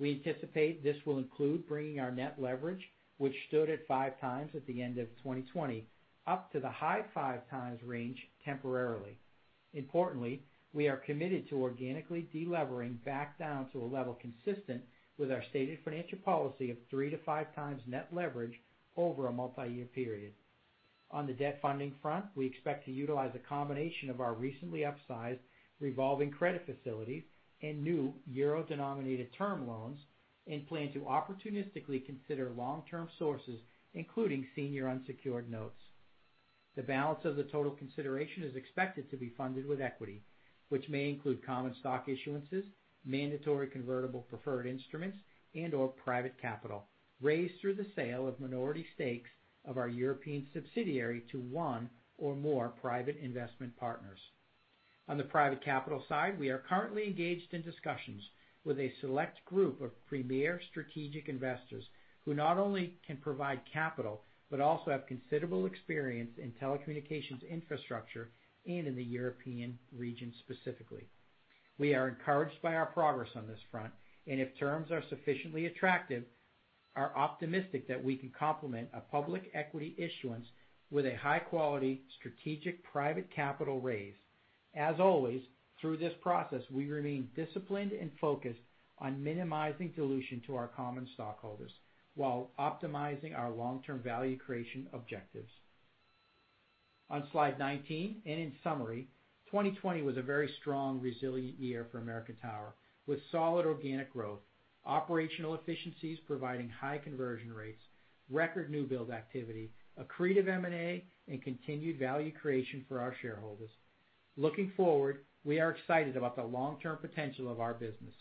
We anticipate this will include bringing our net leverage, which stood at 5x at the end of 2020, up to the high 5x range temporarily. Importantly, we are committed to organically delevering back down to a level consistent with our stated financial policy of 3x-5x net leverage over a multi-year period. On the debt funding front, we expect to utilize a combination of our recently upsized revolving credit facilities and new euro-denominated term loans and plan to opportunistically consider long-term sources, including senior unsecured notes. The balance of the total consideration is expected to be funded with equity, which may include common stock issuances, mandatory convertible preferred instruments, and/or private capital raised through the sale of minority stakes of our European subsidiary to one or more private investment partners. On the private capital side, we are currently engaged in discussions with a select group of premier strategic investors who not only can provide capital, but also have considerable experience in telecommunications infrastructure and in the European region specifically. We are encouraged by our progress on this front, and if terms are sufficiently attractive, are optimistic that we can complement a public equity issuance with a high-quality strategic private capital raise. As always, through this process, we remain disciplined and focused on minimizing dilution to our common stockholders while optimizing our long-term value creation objectives. On slide 19 and in summary, 2020 was a very strong, resilient year for American Tower, with solid organic growth, operational efficiencies providing high conversion rates, record new build activity, accretive M&A, and continued value creation for our shareholders. Looking forward, we are excited about the long-term potential of our business.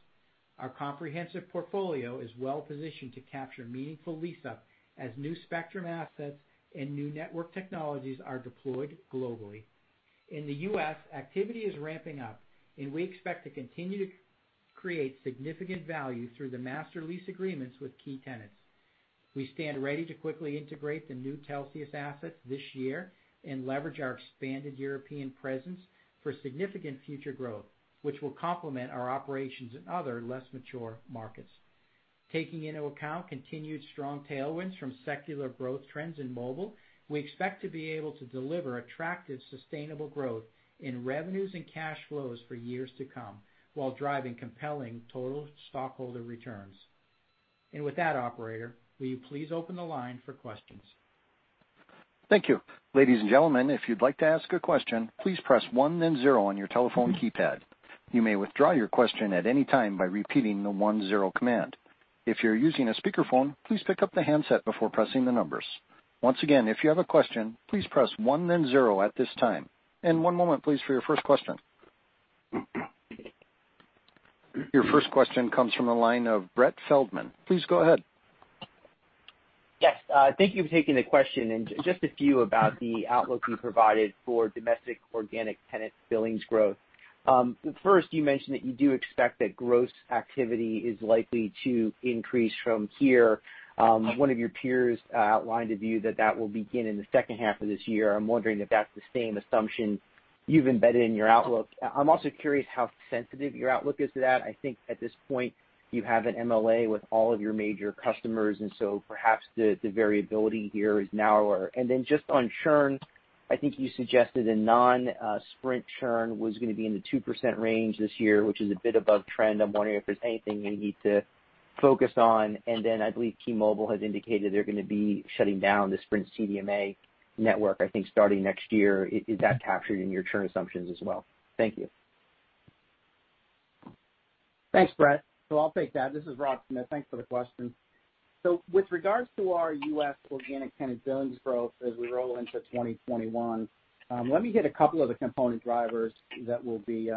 Our comprehensive portfolio is well positioned to capture meaningful lease-up as new spectrum assets and new network technologies are deployed globally. In the U.S., activity is ramping up, and we expect to continue to create significant value through the master lease agreements with key tenants. We stand ready to quickly integrate the new Telxius assets this year and leverage our expanded European presence for significant future growth, which will complement our operations in other less mature markets. Taking into account continued strong tailwinds from secular growth trends in mobile, we expect to be able to deliver attractive, sustainable growth in revenues and cash flows for years to come while driving compelling total stockholder returns. With that, operator, will you please open the line for questions? Thank you. Ladies and gentlemen if you'd like to ask a question please press one and zero on your telephone keypad. You may withdraw your question at any time by repeating the one zero command. If you're using a speakerphone, please pick up the handset before pressing the numbers. Once again, if you have a question, please press one and zero at this time. One moment please for your first question. Your first question comes from the line of Brett Feldman. Please go ahead. Yes. Thank you for taking the question. Just a few about the outlook you provided for domestic organic tenant billings growth. First, you mentioned that you do expect that gross activity is likely to increase from here. One of your peers outlined a view that that will begin in the second half of this year. I'm wondering if that's the same assumption you've embedded in your outlook. I'm also curious how sensitive your outlook is to that. I think at this point, you have an MLA with all of your major customers, and so perhaps the variability here is narrower. Just on churn, I think you suggested a non-Sprint churn was gonna be in the 2% range this year, which is a bit above trend. I'm wondering if there's anything you need to focus on. I believe T-Mobile has indicated they're gonna be shutting down the Sprint CDMA network, I think starting next year. Is that captured in your churn assumptions as well? Thank you. Thanks, Brett. I'll take that. This is Rod. Thanks for the question. With regards to our U.S. organic tenant billings growth as we roll into 2021, let me hit a couple of the component drivers that will be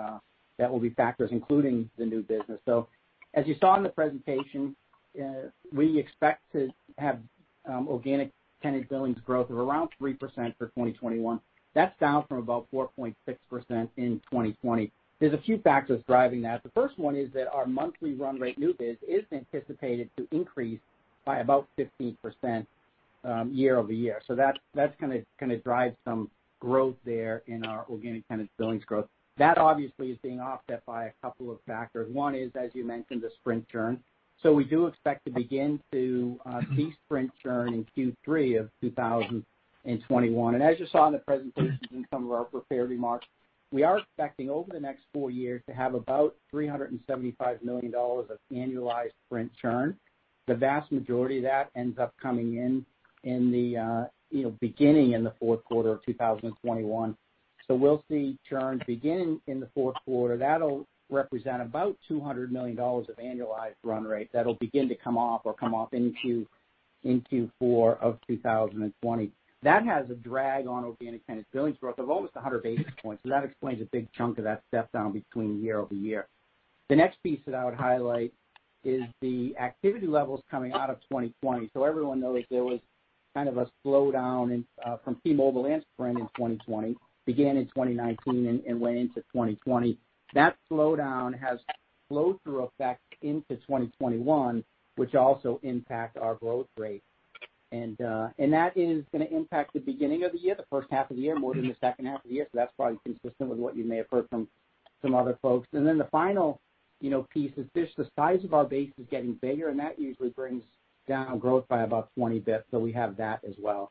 factors, including the new business. As you saw in the presentation, we expect to have organic tenant billings growth of around 3% for 2021. That's down from about 4.6% in 2020. There's a few factors driving that. The first one is that our monthly run rate new biz is anticipated to increase by about 15% year-over-year. That's gonna drive some growth there in our organic tenant billings growth. That obviously is being offset by a couple of factors. One is, as you mentioned, the Sprint churn. We do expect to begin to see Sprint churn in Q3 of 2021. As you saw in the presentation in some of our prepared remarks, we are expecting over the next four years to have about $375 million of annualized Sprint churn. The vast majority of that ends up coming in beginning in the fourth quarter of 2021. We'll see churn begin in the fourth quarter. That'll represent about $200 million of annualized run rate that'll begin to come off in Q4 of 2020. That has a drag on organic tenant billings growth of almost 100 basis points. That explains a big chunk of that step-down between year-over-year. The next piece that I would highlight is the activity levels coming out of 2020. Everyone knows there was kind of a slowdown from T-Mobile and Sprint in 2020, began in 2019 and went into 2020. That slowdown has flow-through effect into 2021, which also impact our growth rate. That is gonna impact the beginning of the year, the first half of the year, more than the second half of the year. That's probably consistent with what you may have heard from other folks. The final piece is just the size of our base is getting bigger, and that usually brings down growth by about 20 basis points, so we have that as well.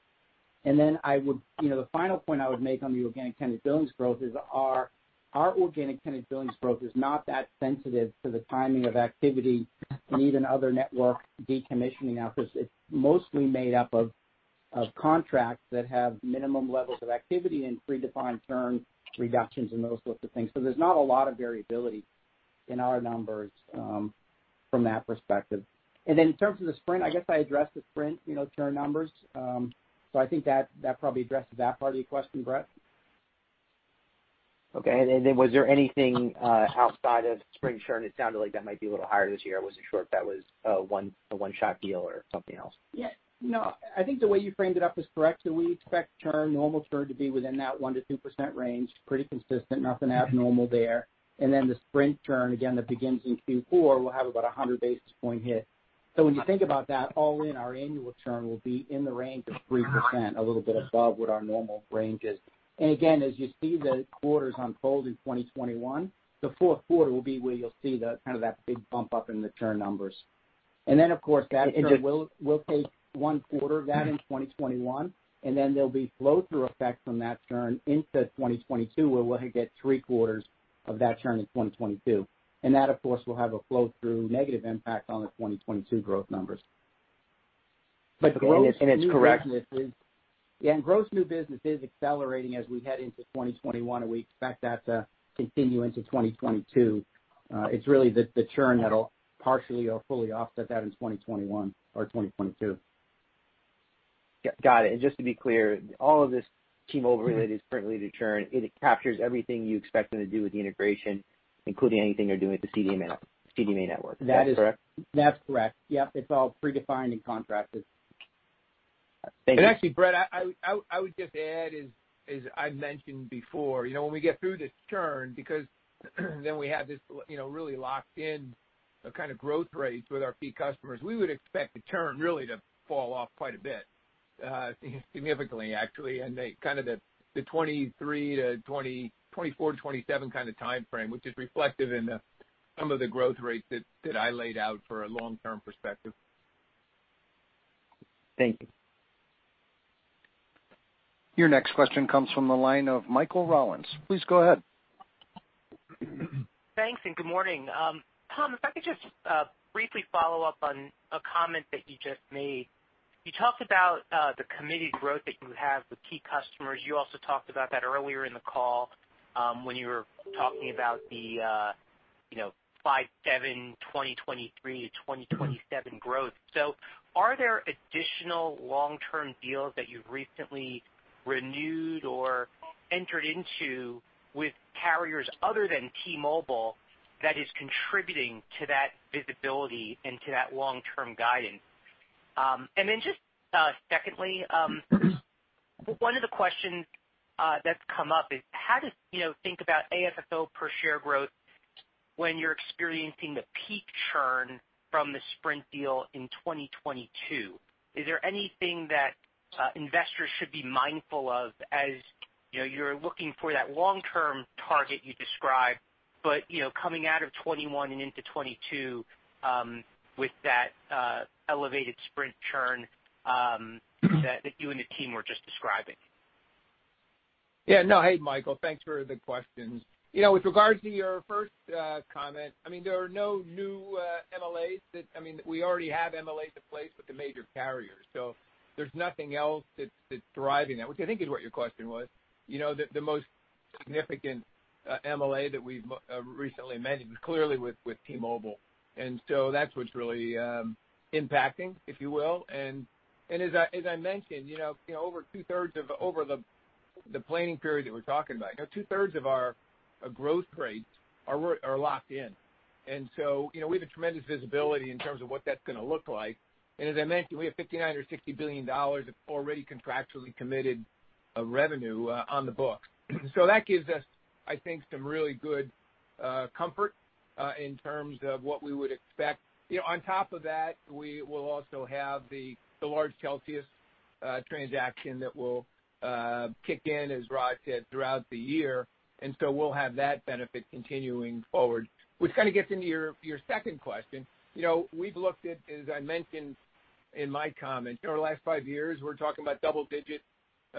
The final point I would make on the organic tenant billings growth is our organic tenant billings growth is not that sensitive to the timing of activity and even other network decommissioning now because it's mostly made up of contracts that have minimum levels of activity and predefined churn reductions and those sorts of things. There's not a lot of variability in our numbers from that perspective. In terms of the Sprint, I guess I addressed the Sprint churn numbers. I think that probably addresses that part of your question, Brett. Okay. Then was there anything outside of Sprint churn? It sounded like that might be a little higher this year. I wasn't sure if that was a one-shot deal or something else. Yeah. No, I think the way you framed it up is correct. We expect normal churn to be within that 1%-2% range, pretty consistent, nothing abnormal there. The Sprint churn, again, that begins in Q4, will have about a 100 basis point hit. When you think about that all in, our annual churn will be in the range of 3%, a little bit above what our normal range is. Again, as you see the quarters unfold in 2021, the fourth quarter will be where you'll see kind of that big bump up in the churn numbers. Then, of course, that churn will take one quarter of that in 2021, then there'll be flow-through effect from that churn into 2022, where we'll get three quarters of that churn in 2022. That, of course, will have a flow-through negative impact on the 2022 growth numbers. It's correct— Yeah, gross new business is accelerating as we head into 2021, and we expect that to continue into 2022. It's really the churn that'll partially or fully offset that in 2021 or 2022. Got it. Just to be clear, all of this T-Mobile related Sprint-related churn, it captures everything you expect them to do with the integration, including anything they're doing with the CDMA network. Is that correct? That's correct. Yep. It's all predefined and contracted. Thank you. Actually, Brett, I would just add, as I've mentioned before, when we get through this churn, because then we have this really locked in kind of growth rates with our key customers. We would expect the churn really to fall off quite a bit, significantly, actually, in kind of the 2024-2027 kind of timeframe, which is reflective in some of the growth rates that I laid out for a long-term perspective. Thank you. Your next question comes from the line of Michael Rollins. Please go ahead. Thanks, and good morning. Tom, if I could just briefly follow up on a comment that you just made. You talked about the committed growth that you have with key customers. You also talked about that earlier in the call, when you were talking about the slide seven, 2023-2027 growth. Are there additional long-term deals that you've recently renewed or entered into with carriers other than T-Mobile that is contributing to that visibility and to that long-term guidance? Just secondly, one of the questions that's come up is how to think about AFFO per share growth when you're experiencing the peak churn from the Sprint deal in 2022. Is there anything that investors should be mindful of as you're looking for that long-term target you described, but coming out of 2021 and into 2022 with that elevated Sprint churn that you and the team were just describing? Yeah. No. Hey, Michael, thanks for the questions. With regards to your first comment, there are no new MLAs. We already have MLAs in place with the major carriers, so there's nothing else that's driving that, which I think is what your question was. The most significant MLA that we've recently amended was clearly with T-Mobile, and so that's what's really impacting, if you will. As I mentioned, over the planning period that we're talking about, two-thirds of our growth rates are locked in. We have a tremendous visibility in terms of what that's going to look like. As I mentioned, we have $59 billion or $60 billion of already contractually committed revenue on the books. That gives us, I think, some really good comfort in terms of what we would expect. On top of that, we will also have the large Telxius transaction that will kick in, as Rod said, throughout the year. We'll have that benefit continuing forward, which kind of gets into your second question. We've looked at, as I mentioned in my comments, over the last five years, we're talking about double-digit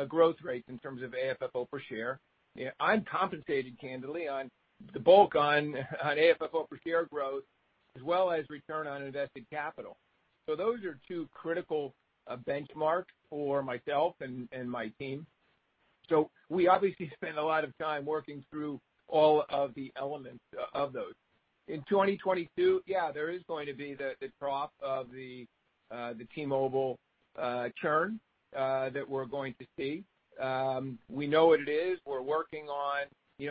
growth rates in terms of AFFO per share. I'm compensated, candidly, on the bulk on AFFO per share growth as well as return on invested capital. Those are two critical benchmarks for myself and my team. We obviously spend a lot of time working through all of the elements of those. In 2022, yeah, there is going to be the trough of the T-Mobile churn that we're going to see. We know what it is. We're working on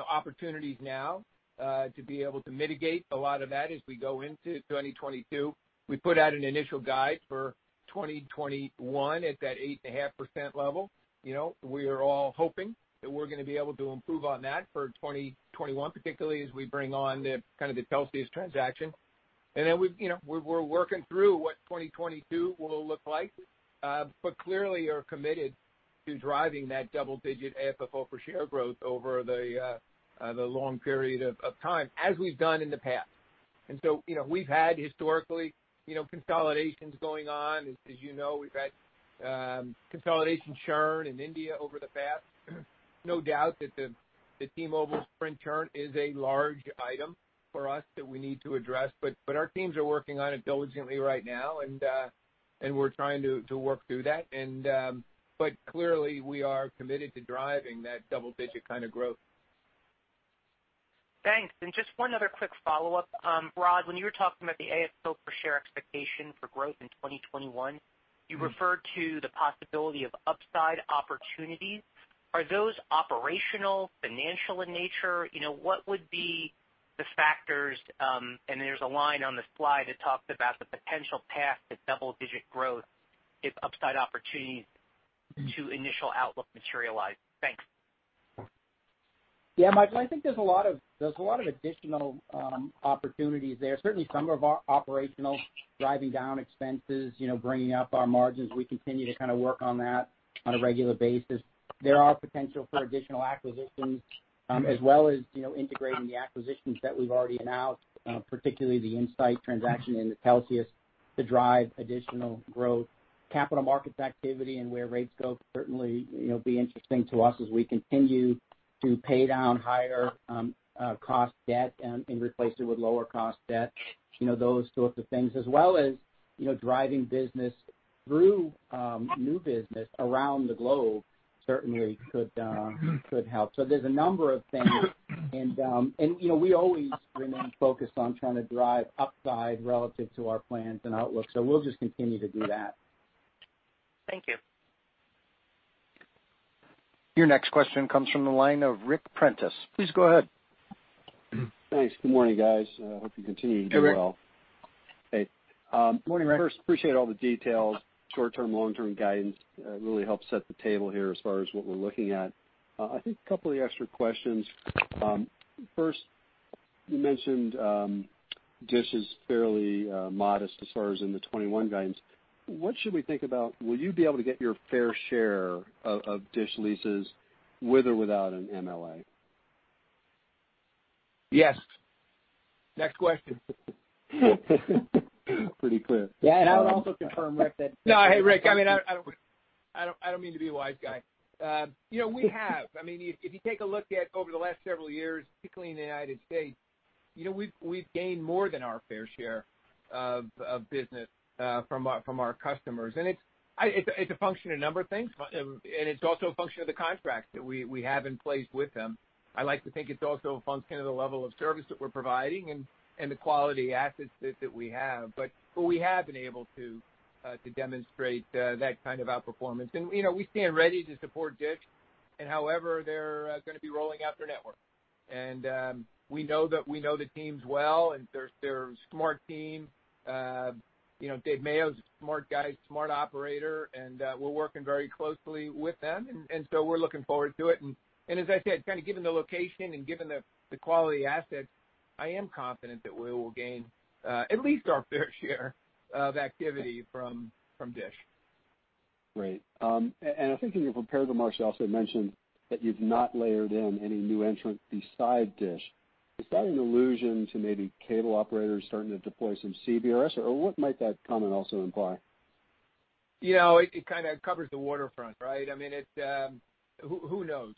opportunities now to be able to mitigate a lot of that as we go into 2022. We put out an initial guide for 2021 at that 8.5% level. We are all hoping that we're going to be able to improve on that for 2021, particularly as we bring on the Telxius transaction. We're working through what 2022 will look like. Clearly are committed to driving that double-digit AFFO per share growth over the long period of time, as we've done in the past. We've had historically consolidations going on. As you know, we've had consolidation churn in India over the past. No doubt that the T-Mobile, Sprint churn is a large item for us that we need to address. Our teams are working on it diligently right now, and we're trying to work through that, but clearly, we are committed to driving that double-digit kind of growth. Thanks. Just one other quick follow-up. Rod, when you were talking about the AFFO per share expectation for growth in 2021, you referred to the possibility of upside opportunities. Are those operational, financial in nature? What would be the factors? There's a line on the slide that talks about the potential path to double-digit growth if upside opportunities to initial outlook materialize. Thanks. Yeah, Michael, I think there's a lot of additional opportunities there. Certainly, some of our operational driving down expenses, bringing up our margins, we continue to work on that on a regular basis. There are potential for additional acquisitions, as well as integrating the acquisitions that we've already announced, particularly the InSite transaction into Telxius, to drive additional growth. Capital markets activity and where rates go, certainly, be interesting to us as we continue to pay down higher cost debt and replace it with lower cost debt. Those sorts of things as well as driving business through new business around the globe certainly could help. There's a number of things. We always remain focused on trying to drive upside relative to our plans and outlook. We'll just continue to do that. Thank you. Your next question comes from the line of Ric Prentiss. Please go ahead. Thanks. Good morning, guys. I hope you continue to do well. Hey, Ric. Hey. Morning, Ric. First, appreciate all the details, short-term, long-term guidance. Really helps set the table here as far as what we're looking at. I think a couple of extra questions. First, you mentioned DISH is fairly modest as far as in the 2021 guidance. What should we think about will you be able to get your fair share of DISH leases with or without an MLA? Yes. Next question. Pretty clear. Yeah. I would also confirm, Ric— No. Hey, Ric, I don't mean to be a wise guy. We have. If you take a look at over the last several years, particularly in the U.S., we've gained more than our fair share of business from our customers. It's a function of a number of things, and it's also a function of the contracts that we have in place with them. I like to think it's also a function of the level of service that we're providing and the quality assets that we have. We have been able to demonstrate that kind of outperformance. We stand ready to support DISH in however they're gonna be rolling out their network. We know the teams well, and they're a smart team. Dave Mayo's a smart guy, smart operator, and we're working very closely with them. We're looking forward to it. As I said, given the location and given the quality assets, I am confident that we will gain at least our fair share of activity from DISH. Great. I think in your comparable model, you also mentioned that you've not layered in any new entrants beside DISH. Is that an allusion to maybe cable operators starting to deploy some CBRS, or what might that comment also imply? It kind of covers the waterfront, right? Who knows?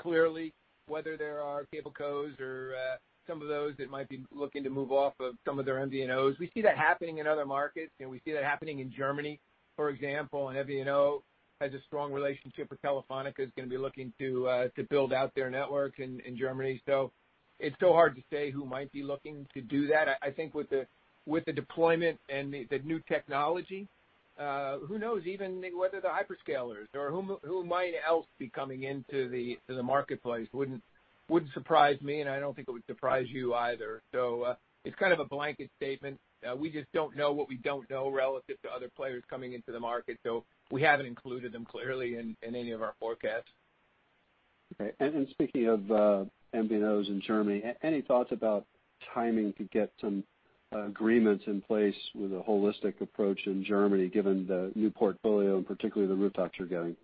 Clearly, whether there are cablecos or some of those that might be looking to move off of some of their MVNOs. We see that happening in other markets, we see that happening in Germany, for example, an MVNO has a strong relationship with Telefónica, is gonna be looking to build out their network in Germany. It's so hard to say who might be looking to do that. I think with the deployment and the new technology, who knows even whether the hyperscalers or who might else be coming into the marketplace wouldn't surprise me, and I don't think it would surprise you either. It's kind of a blanket statement. We just don't know what we don't know relative to other players coming into the market. We haven't included them clearly in any of our forecasts. Okay. Speaking of MVNOs in Germany, any thoughts about timing to get some agreements in place with a holistic approach in Germany, given the new portfolio, and particularly the rooftops you're getting?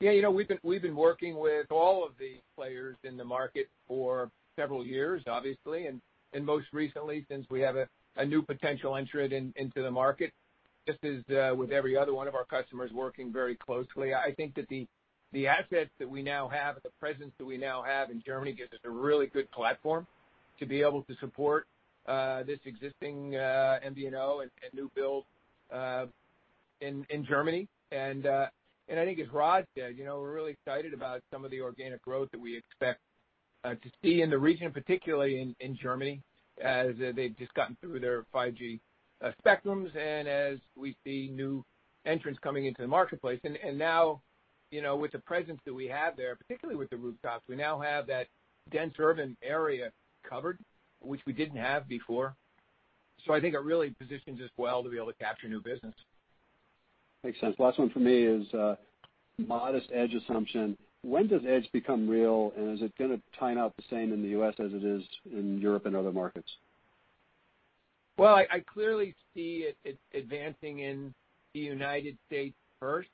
Yeah. We've been working with all of the players in the market for several years, obviously, and most recently, since we have a new potential entrant into the market, just as with every other one of our customers, working very closely. I think that the assets that we now have and the presence that we now have in Germany gives us a really good platform to be able to support this existing MVNO and new build in Germany. I think as Rod said, we're really excited about some of the organic growth that we expect to see in the region, particularly in Germany, as they've just gotten through their 5G spectrums and as we see new entrants coming into the marketplace. Now, with the presence that we have there, particularly with the rooftops, we now have that dense urban area covered, which we didn't have before. I think it really positions us well to be able to capture new business. Makes sense. Last one from me is modest edge assumption. When does edge become real, and is it gonna turn out the same in the U.S. as it is in Europe and other markets? Well, I clearly see it advancing in the United States first,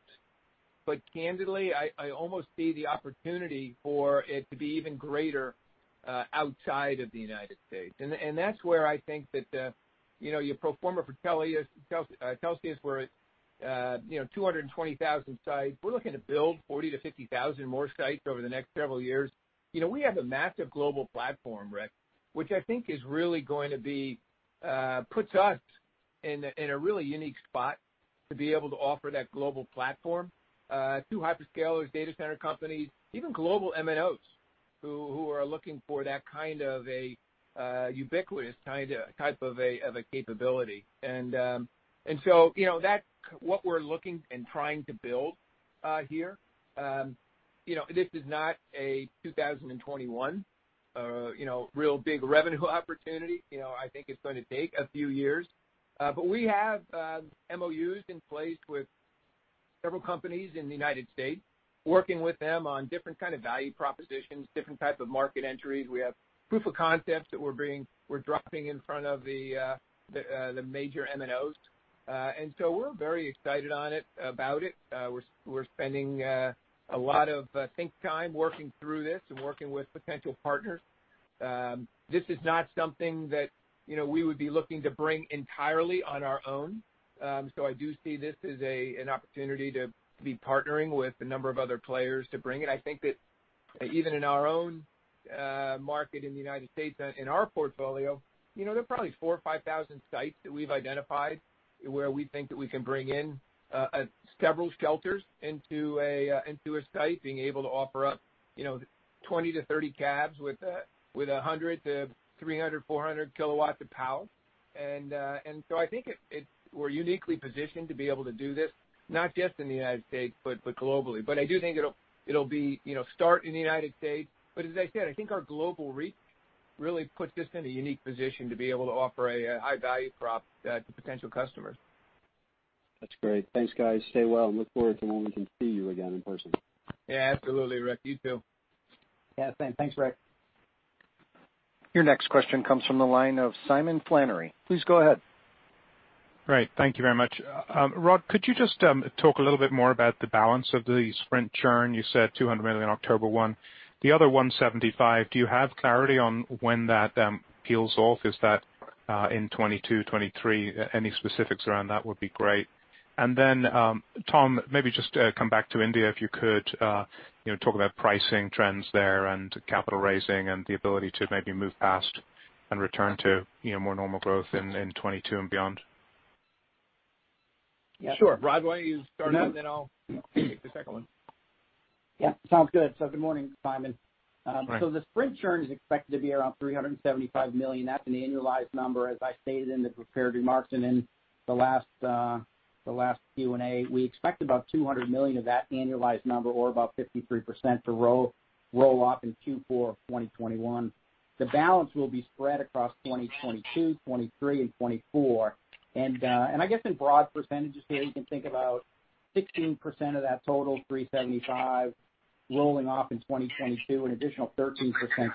but candidly, I almost see the opportunity for it to be even greater outside of the United States. That's where I think that your pro forma for Telxius, where 220,000 sites. We're looking to build 40,000-50,000 more sites over the next several years. We have a massive global platform, Ric, which I think is really going to be, puts us in a really unique spot to be able to offer that global platform, to hyperscalers, data center companies, even global MNOs, who are looking for that kind of a ubiquitous type of a capability. That's what we're looking and trying to build here. This is not a 2021 real big revenue opportunity. I think it's going to take a few years. We have MOUs in place with several companies in the United States, working with them on different kind of value propositions, different type of market entries. We have proof of concepts that we're dropping in front of the major MNOs. We're very excited about it. We're spending a lot of think time working through this and working with potential partners. This is not something that we would be looking to bring entirely on our own. I do see this as an opportunity to be partnering with a number of other players to bring it. I think that even in our own market in the United States, in our portfolio, there are probably 4,000 or 5,000 sites that we've identified where we think that we can bring in several shelters into a site, being able to offer up 20 to 30 cabs with 100 to 300, 400 kW of power. I think we're uniquely positioned to be able to do this, not just in the United States, but globally. I do think it'll start in the United States. As I said, I think our global reach really puts us in a unique position to be able to offer a high-value prop to potential customers. That's great. Thanks, guys. Stay well, and look forward to when we can see you again in person. Yeah, absolutely, Ric. You too. Yeah, same. Thanks, Ric. Your next question comes from the line of Simon Flannery. Please go ahead. Right. Thank you very much. Rod, could you just talk a little bit more about the balance of the Sprint churn? You said $200 million October 1. The other $175, do you have clarity on when that peels off? Is that in 2022, 2023? Any specifics around that would be great. Then, Tom, maybe just come back to India, if you could talk about pricing trends there and capital raising and the ability to maybe move past and return to more normal growth in 2022 and beyond. Sure. Rod, why don't you start off, and then I'll take the second one. Yeah. Sounds good. Good morning, Simon. Right. The Sprint churn is expected to be around $375 million. That's an annualized number, as I stated in the prepared remarks and in the last Q&A. We expect about $200 million of that annualized number or about 53% to roll off in Q4 of 2021. The balance will be spread across 2022, 2023, and 2024. I guess in broad percentages here, you can think about 16% of that total $375 million rolling off in 2022, an additional 13%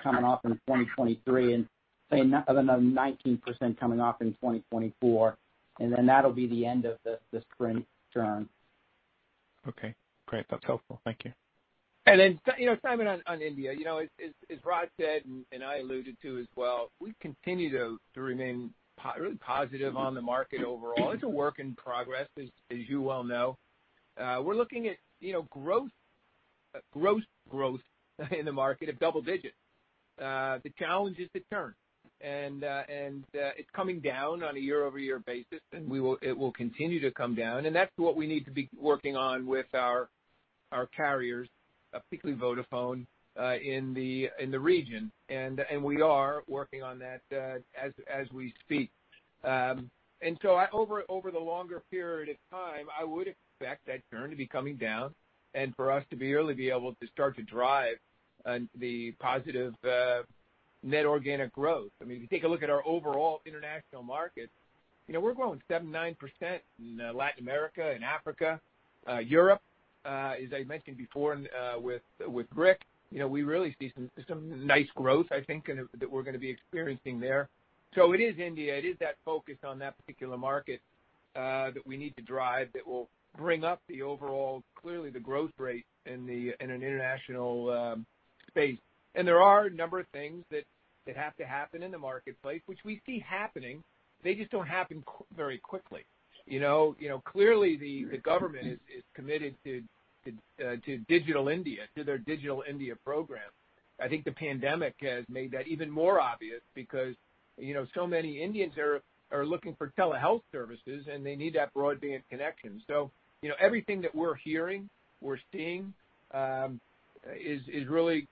coming off in 2023, and say another 19% coming off in 2024. Then that'll be the end of the Sprint churn. Okay, great. That's helpful. Thank you. Simon, on India, as Rod said and I alluded to as well, we continue to remain really positive on the market overall. It's a work in progress, as you well know. We're looking at gross growth in the market of double digits. The challenge is the churn. It's coming down on a year-over-year basis, and it will continue to come down, and that's what we need to be working on with our carriers, particularly Vodafone, in the region. We are working on that as we speak. Over the longer period of time, I would expect that churn to be coming down and for us to really be able to start to drive the positive net organic growth. If you take a look at our overall international markets, we're growing 79% in Latin America and Africa. Europe, as I mentioned before with Ric, we really see some nice growth, I think, that we're going to be experiencing there. It is India. It is that focus on that particular market that we need to drive that will bring up the overall, clearly the growth rate in an international space. There are a number of things that have to happen in the marketplace, which we see happening. They just don't happen very quickly. Clearly, the government is committed to their Digital India program. I think the pandemic has made that even more obvious because so many Indians are looking for telehealth services, and they need that broadband connection. Everything that we're hearing, we're seeing, is really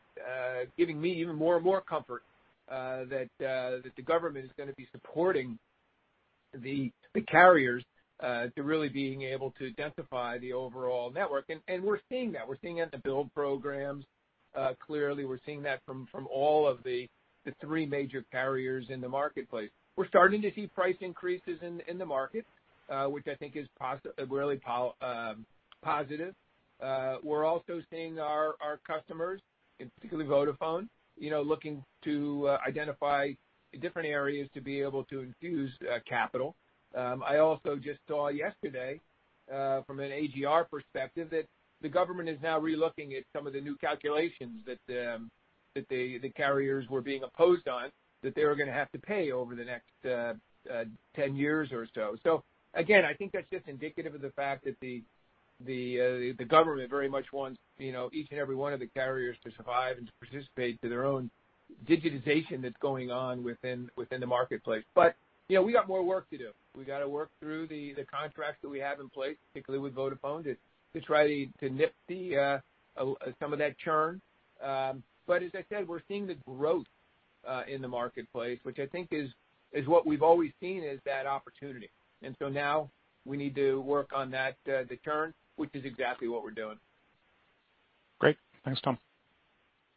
giving me even more and more comfort that the government is going to be supporting the carriers to really being able to identify the overall network. We're seeing that. We're seeing it in the build programs. Clearly, we're seeing that from all of the three major carriers in the marketplace. We're starting to see price increases in the market, which I think is really positive. We're also seeing our customers, and particularly Vodafone, looking to identify different areas to be able to infuse capital. I also just saw yesterday, from an AGR perspective, that the government is now relooking at some of the new calculations that the carriers were being opposed on that they were going to have to pay over the next 10 years or so. Again, I think that's just indicative of the fact that the government very much wants each and every one of the carriers to survive and to participate to their own digitization that's going on within the marketplace. We got more work to do. We got to work through the contracts that we have in place, particularly with Vodafone, to try to nip some of that churn. As I said, we're seeing the growth in the marketplace, which I think is what we've always seen as that opportunity. Now we need to work on the churn, which is exactly what we're doing. Great. Thanks, Tom.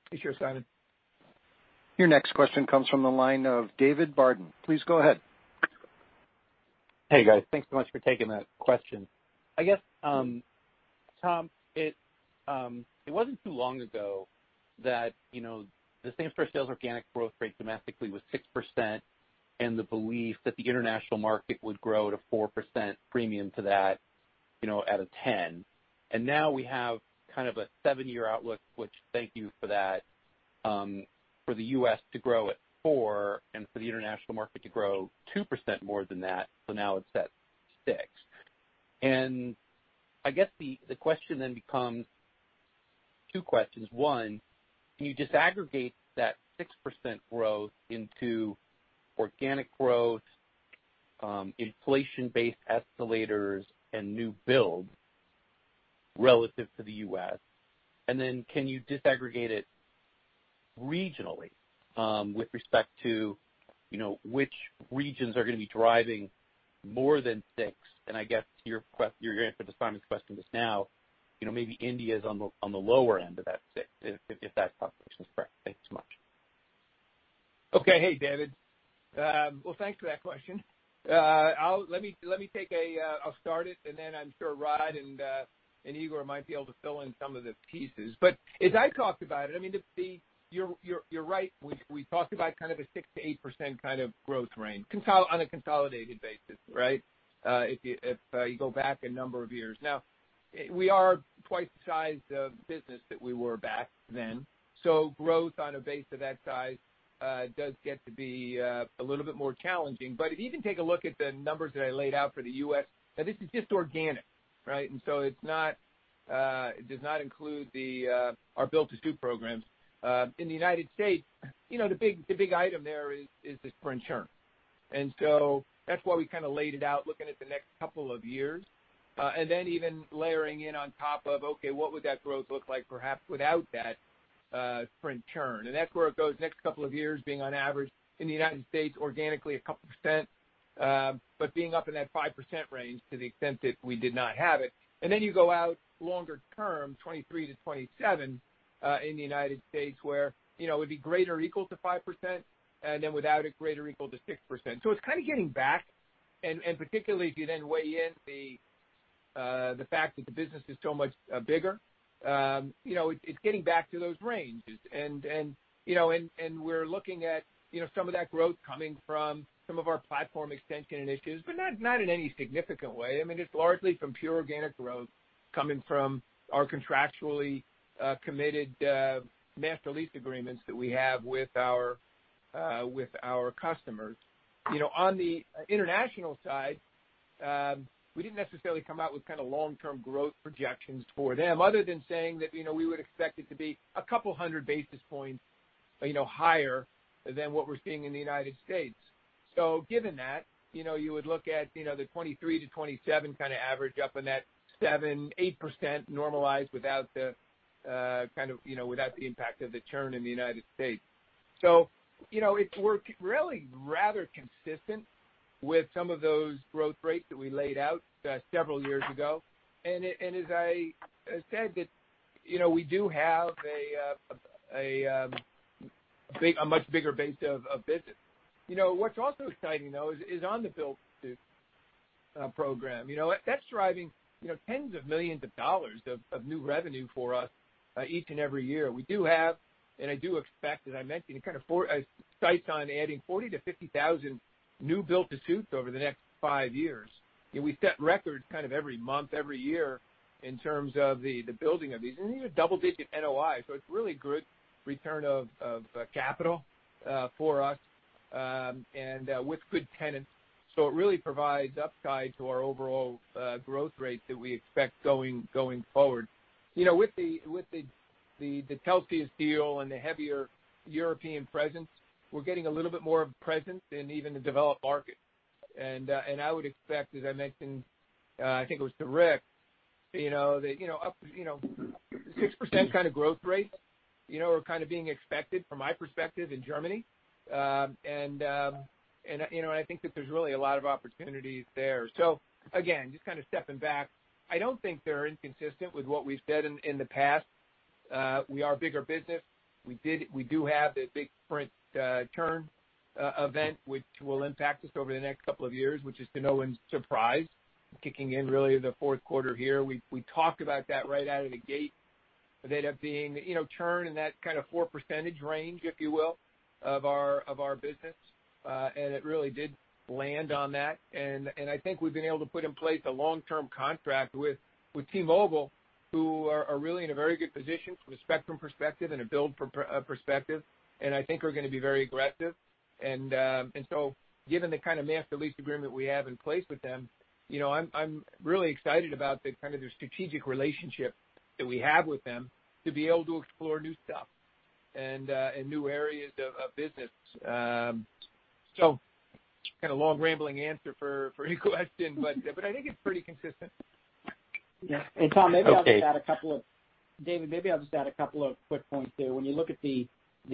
Pleasure, Simon. Your next question comes from the line of David Barden. Please go ahead. Hey, guys. Thanks so much for taking that question. I guess, Tom, it wasn't too long ago that the same store sales organic growth rate domestically was 6%, and the belief that the international market would grow at a 4% premium to that at a 10%. Now we have kind of a seven-year outlook, which thank you for that, for the U.S. to grow at 4% and for the international market to grow 2% more than that. Now it's at 6%. I guess the question then becomes two questions. One, can you disaggregate that 6% growth into organic growth, inflation-based escalators, and new build relative to the U.S.? Then can you disaggregate it regionally, with respect to which regions are going to be driving more than 6%? I guess your answer to Simon's question just now, maybe India is on the lower end of that 6%, if that calculation is correct. Thanks so much. Okay. Hey, David. Well, thanks for that question. I'll start it, and then I'm sure Rod and Igor might be able to fill in some of the pieces. As I talked about it, you're right. We talked about kind of a 6%-8% kind of growth range on a consolidated basis, right? If you go back a number of years. We are twice the size of business that we were back then. Growth on a base of that size does get to be a little bit more challenging. If you even take a look at the numbers that I laid out for the U.S., now this is just organic, right? It does not include our build-to-suit programs. In the United States, the big item there is the Sprint churn. That's why we kind of laid it out looking at the next couple of years. Even layering in on top of, okay, what would that growth look like perhaps without that Sprint churn? That's where it goes next couple of years being on average in the U.S. organically a couple percent, but being up in that 5% range to the extent that we did not have it. You go out longer term, 2023-2027, in the U.S. where it would be greater or equal to 5%, and then without it, greater or equal to 6%. It's kind of getting back, and particularly if you then weigh in the fact that the business is so much bigger, it's getting back to those ranges. We're looking at some of that growth coming from some of our platform extension initiatives, but not in any significant way. It's largely from pure organic growth coming from our contractually committed master lease agreements that we have with our customers. On the international side, we didn't necessarily come out with kind of long-term growth projections for them other than saying that we would expect it to be a couple of hundred basis points higher than what we're seeing in the United States. Given that, you would look at the 2023 to 2027 kind of average up in that 7%-8% normalized without the impact of the churn in the United States. We're really rather consistent with some of those growth rates that we laid out several years ago. As I said, we do have a much bigger base of business. What's also exciting, though, is on the build-to-suit program. That's driving tens of millions of dollars of new revenue for us each and every year. We do have, and I do expect, as I mentioned, sights on adding 40,000-50,000 new build-to-suits over the next five years. We set records kind of every month, every year in terms of the building of these. These are double-digit NOI, so it's really good return of capital for us, and with good tenants. It really provides upside to our overall growth rate that we expect going forward. With the Telxius deal and the heavier European presence, we're getting a little bit more presence in even the developed market. I would expect, as I mentioned, I think it was to Ric, that 6% kind of growth rates are kind of being expected from my perspective in Germany. I think that there's really a lot of opportunities there. Again, just kind of stepping back, I don't think they're inconsistent with what we've said in the past. We are a bigger business. We do have the big Sprint churn event, which will impact us over the next couple of years, which is to no one's surprise, kicking in really the fourth quarter here. We talked about that right out of the gate, that of being churn in that kind of 4% range, if you will, of our business. It really did land on that. I think we've been able to put in place a long-term contract with T-Mobile, who are really in a very good position from a spectrum perspective and a build perspective. I think we're going to be very aggressive. Given the kind of master lease agreement we have in place with them, I'm really excited about the kind of the strategic relationship that we have with them to be able to explore new stuff and new areas of business. Kind of long, rambling answer for your question, but I think it's pretty consistent. Yeah. David, maybe I'll just add a couple of quick points there. When you look at the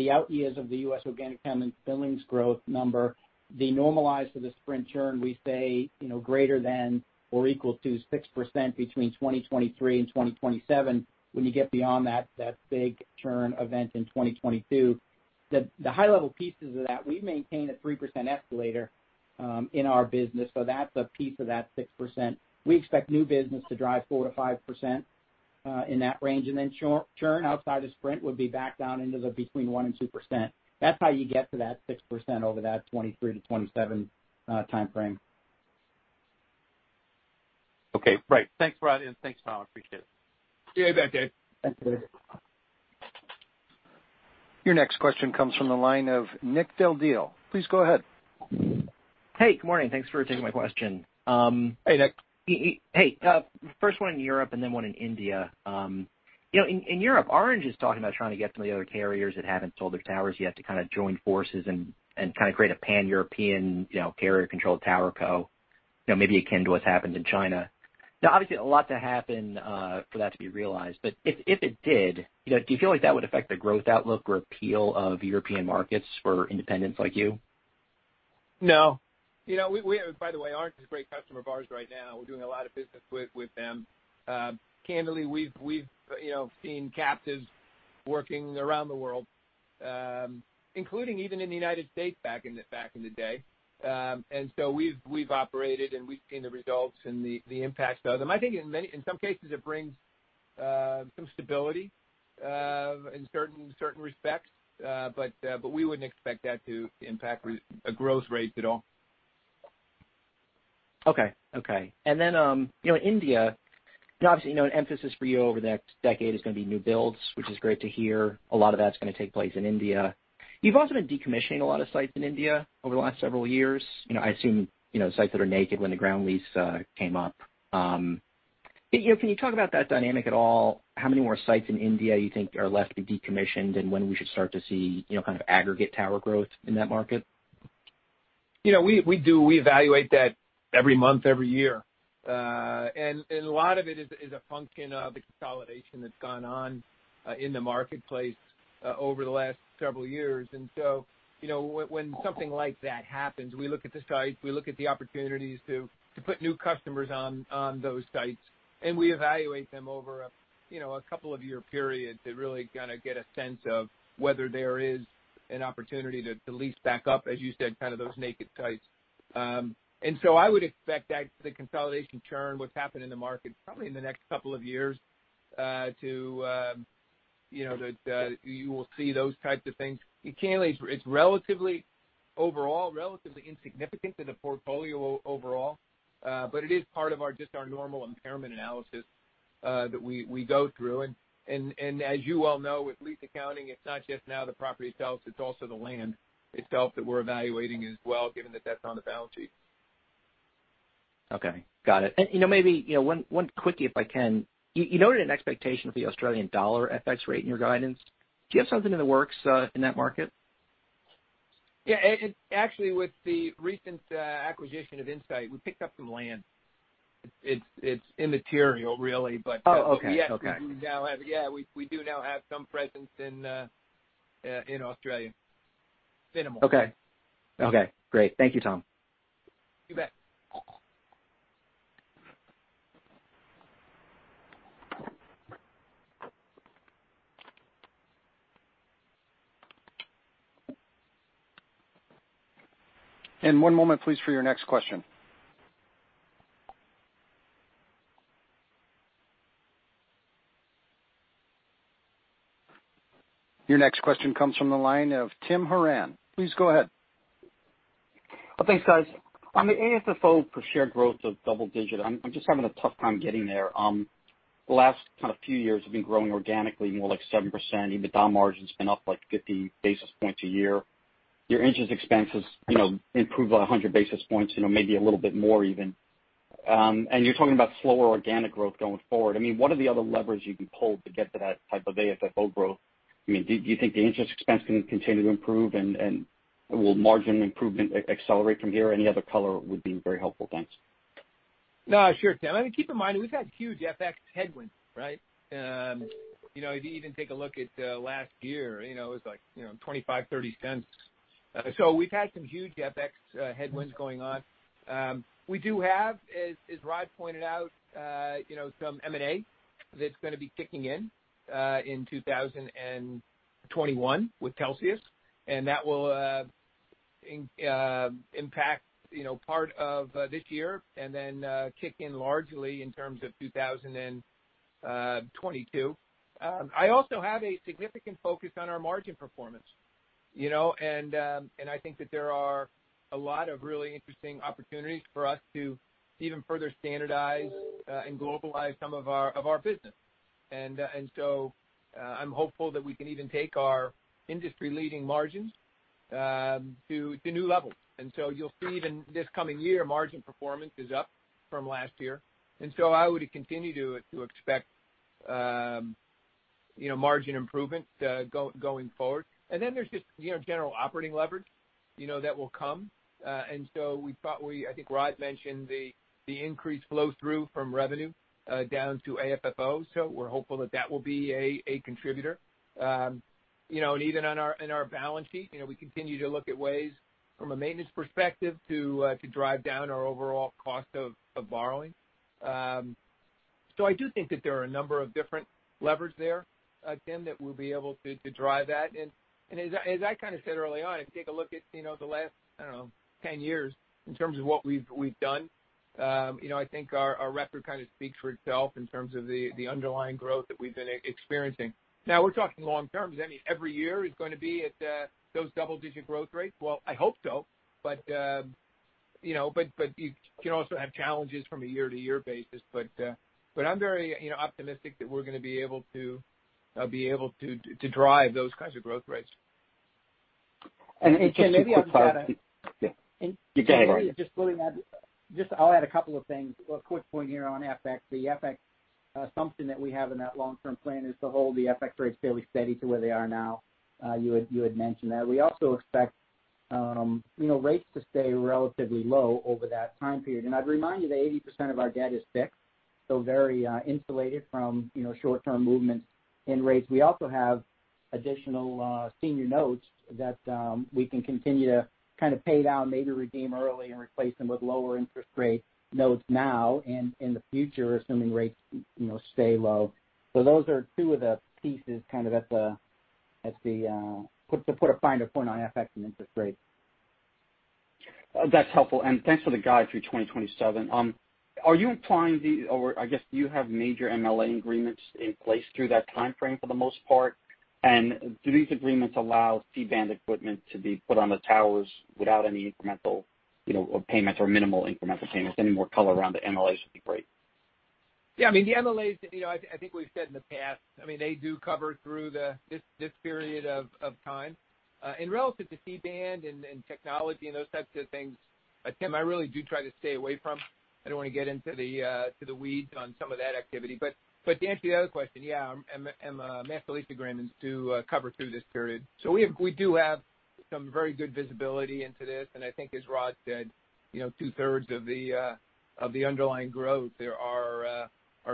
out years of the U.S. organic common billings growth number, the normalized for the Sprint churn, we say greater than or equal to 6% between 2023 and 2027 when you get beyond that big churn event in 2022. The high-level pieces of that, we maintain a 3% escalator in our business, so that's a piece of that 6%. We expect new business to drive 4%-5%, in that range, and then churn outside of Sprint would be back down into between 1% and 2%. That's how you get to that 6% over that 2023-2027 timeframe. Okay. Right. Thanks, Rod, and thanks, Tom. I appreciate it. See you back, Dave. Thanks, Dave. Your next question comes from the line of Nick Del Deo. Please go ahead. Hey, good morning. Thanks for taking my question. Hey, Nick. Hey. First one in Europe and then one in India. In Europe, Orange is talking about trying to get some of the other carriers that haven't sold their towers yet to kind of join forces and create a pan-European, carrier-controlled TowerCo, maybe akin to what's happened in China. Obviously, a lot to happen for that to be realized, but if it did, do you feel like that would affect the growth outlook or appeal of European markets for independents like you? No. By the way, Orange is a great customer of ours right now. We're doing a lot of business with them. Candidly, we've seen captives working around the world, including even in the United States back in the day. So we've operated and we've seen the results and the impacts of them. I think in some cases, it brings some stability in certain respects. But we wouldn't expect that to impact a growth rate at all. Okay. India, obviously, an emphasis for you over the next decade is going to be new builds, which is great to hear. A lot of that's going to take place in India. You've also been decommissioning a lot of sites in India over the last several years. I assume, sites that are naked when the ground lease came up. Can you talk about that dynamic at all? How many more sites in India you think are left to be decommissioned, and when we should start to see aggregate tower growth in that market? We evaluate that every month, every year. A lot of it is a function of the consolidation that's gone on in the marketplace over the last several years. When something like that happens, we look at the sites, we look at the opportunities to put new customers on those sites, and we evaluate them over a couple of year periods to really kind of get a sense of whether there is an opportunity to lease back up, as you said, kind of those naked sites. I would expect that the consolidation churn, what's happened in the market, probably in the next couple of years, you will see those types of things. Candidly, it's overall relatively insignificant to the portfolio overall. It is part of just our normal impairment analysis that we go through. As you well know, with lease accounting, it's not just now the property itself, it's also the land itself that we're evaluating as well, given that that's on the balance sheet. Okay. Got it. Maybe one quickie, if I can. You noted an expectation of the Australian dollar FX rate in your guidance. Do you have something in the works in that market? Yeah. Actually, with the recent acquisition of InSite, we picked up some land. It's immaterial, really. Oh, okay. We do now have some presence in Australia. Minimal. Okay. Great. Thank you, Tom. You bet. One moment, please, for your next question. Your next question comes from the line of Tim Horan. Please go ahead. Thanks, guys. On the AFFO per share growth of double-digit, I'm just having a tough time getting there. The last kind of few years have been growing organically, more like 7%. EBITDA margin's been up like 50 basis points a year. Your interest expenses improved 100 basis points, maybe a little bit more even. You're talking about slower organic growth going forward. What are the other levers you can pull to get to that type of AFFO growth? Do you think the interest expense can continue to improve, and will margin improvement accelerate from here? Any other color would be very helpful. Thanks. Sure, Tim. I mean, keep in mind, we've had huge FX headwinds, right? If you even take a look at last year, it was like $0.25, $0.30. We've had some huge FX headwinds going on. We do have, as Rod pointed out, some M&A that's going to be kicking in 2021 with Telxius. That will impact part of this year and then kick in largely in terms of 2022. I also have a significant focus on our margin performance. I think that there are a lot of really interesting opportunities for us to even further standardize and globalize some of our business. I'm hopeful that we can even take our industry-leading margins to new levels. You'll see even this coming year, margin performance is up from last year. I would continue to expect margin improvement going forward. There's just general operating leverage that will come. I think Rod mentioned the increased flow-through from revenue down to AFFO. We're hopeful that that will be a contributor. Even in our balance sheet, we continue to look at ways from a maintenance perspective to drive down our overall cost of borrowing. I do think that there are a number of different levers there, Tim, that we'll be able to drive that. As I said early on, if you take a look at the last, I don't know, 10 years in terms of what we've done, I think our record kind of speaks for itself in terms of the underlying growth that we've been experiencing. Now, we're talking long-term. Does that mean every year is going to be at those double-digit growth rates? Well, I hope so. You can also have challenges from a year-to-year basis. I'm very optimistic that we're going to be able to drive those kinds of growth rates. And Tim— Yeah. You go ahead, Rod. Sorry. Just really I'll add a couple of things. A quick point here on FX. The FX assumption that we have in that long-term plan is to hold the FX rates fairly steady to where they are now. You had mentioned that. We also expect rates to stay relatively low over that time period. I'd remind you that 80% of our debt is fixed, so very insulated from short-term movements in rates. We also have additional senior notes that we can continue to kind of pay down, maybe redeem early and replace them with lower interest rate notes now and in the future, assuming rates stay low. Those are two of the pieces to put a finer point on FX and interest rates. That's helpful. Thanks for the guide through 2027. Are you implying, or I guess, do you have major MLA agreements in place through that timeframe, for the most part? Do these agreements allow C-band equipment to be put on the towers without any incremental payments or minimal incremental payments? Any more color around the MLA should be great. Yeah, the MLAs, I think we've said in the past, they do cover through this period of time. Relative to C-band and technology and those types of things, Tim, I really do try to stay away from. I don't want to get into the weeds on some of that activity. To answer your other question, yeah, our master lease agreements do cover through this period. We do have some very good visibility into this, and I think as Rod said, two-thirds of the underlying growth there are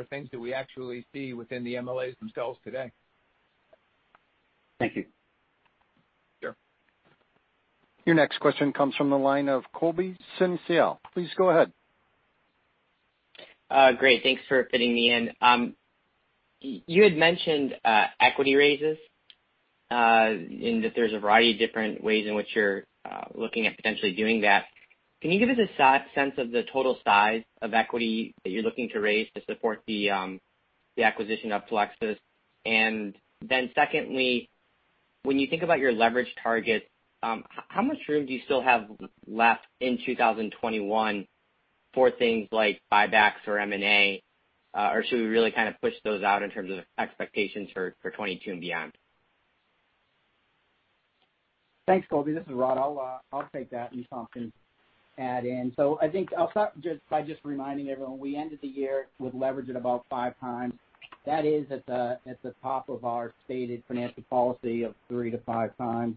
things that we actually see within the MLAs themselves today. Thank you. Sure. Your next question comes from the line of Colby Synesael. Please go ahead. Great. Thanks for fitting me in. You had mentioned equity raises, in that there's a variety of different ways in which you're looking at potentially doing that. Can you give us a sense of the total size of equity that you're looking to raise to support the acquisition of Telxius? Secondly, when you think about your leverage targets, how much room do you still have left in 2021 for things like buybacks or M&A? Or should we really kind of push those out in terms of expectations for 2022 and beyond? Thanks, Colby. This is Rod. I'll take that and Tom can add in. I think I'll start by just reminding everyone, we ended the year with leverage at about 5x. That is at the top of our stated financial policy of 3x-5x.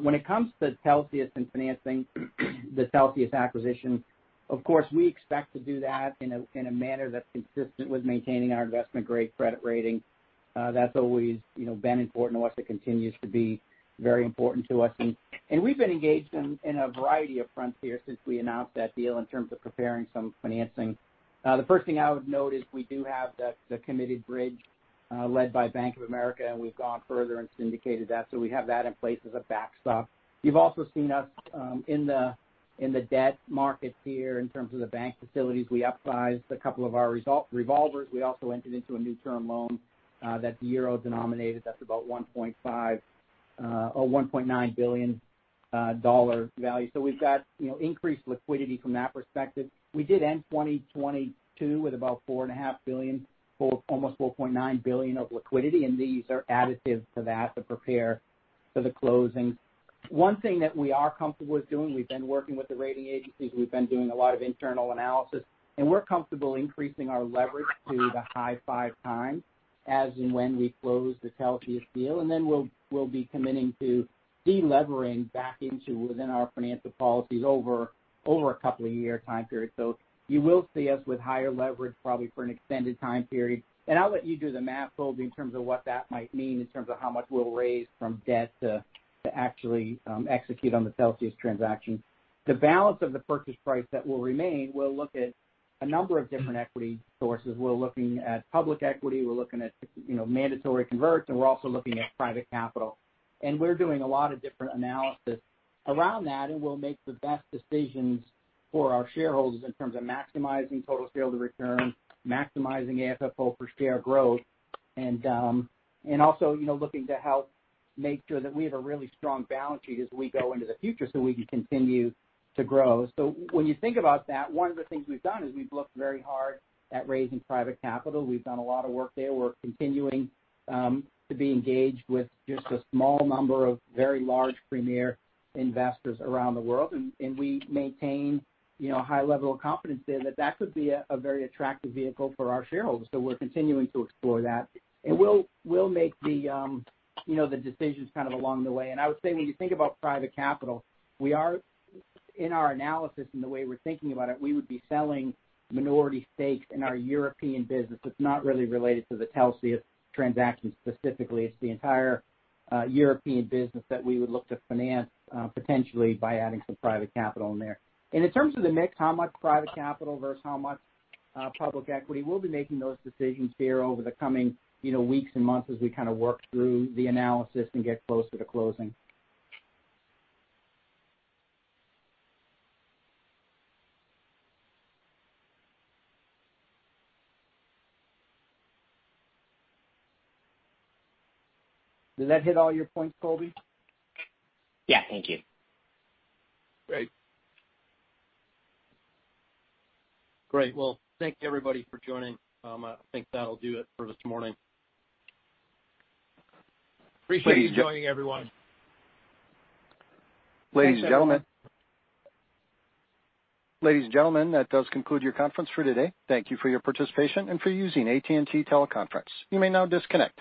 When it comes to Telxius and financing the Telxius acquisition, of course, we expect to do that in a manner that's consistent with maintaining our investment-grade credit rating. That's always been important to us. It continues to be very important to us. We've been engaged in a variety of fronts here since we announced that deal in terms of preparing some financing. The first thing I would note is we do have the committed bridge, led by Bank of America, and we've gone further and syndicated that. We have that in place as a backstop. You've also seen us in the debt markets here in terms of the bank facilities. We upsized a couple of our revolvers. We also entered into a new term loan that's euro-denominated. That's about $1.9 billion value. We've got increased liquidity from that perspective. We did end 2022 with about $4.5 billion, almost $4.9 billion of liquidity, and these are additives to that to prepare for the closing. One thing that we are comfortable with doing, we've been working with the rating agencies, we've been doing a lot of internal analysis, and we're comfortable increasing our leverage to the high 5x as and when we close the Telxius deal. We'll be committing to delevering back into within our financial policies over a couple of year time period. You will see us with higher leverage, probably for an extended time period. I'll let you do the math, Colby, in terms of what that might mean in terms of how much we'll raise from debt to actually execute on the Telxius transaction. The balance of the purchase price that will remain, we'll look at a number of different equity sources. We're looking at public equity, we're looking at mandatory converts, and we're also looking at private capital. We're doing a lot of different analysis around that, and we'll make the best decisions for our shareholders in terms of maximizing total shareholder return, maximizing AFFO per share growth, and also looking to help make sure that we have a really strong balance sheet as we go into the future so we can continue to grow. When you think about that, one of the things we've done is we've looked very hard at raising private capital. We've done a lot of work there. We're continuing to be engaged with just a small number of very large premier investors around the world, and we maintain a high level of confidence there that could be a very attractive vehicle for our shareholders. We're continuing to explore that. We'll make the decisions kind of along the way. I would say, when you think about private capital, in our analysis and the way we're thinking about it, we would be selling minority stakes in our European business. It's not really related to the Telxius transaction specifically. It's the entire European business that we would look to finance, potentially by adding some private capital in there. In terms of the mix, how much private capital versus how much public equity, we'll be making those decisions here over the coming weeks and months as we kind of work through the analysis and get closer to closing. Did that hit all your points, Colby? Yeah. Thank you. Great. Great, well, thank you, everybody, for joining. I think that'll do it for this morning. Appreciate you joining, everyone. Ladies and gentlemen, that does conclude your conference for today. Thank you for your participation and for using AT&T TeleConference. You may now disconnect.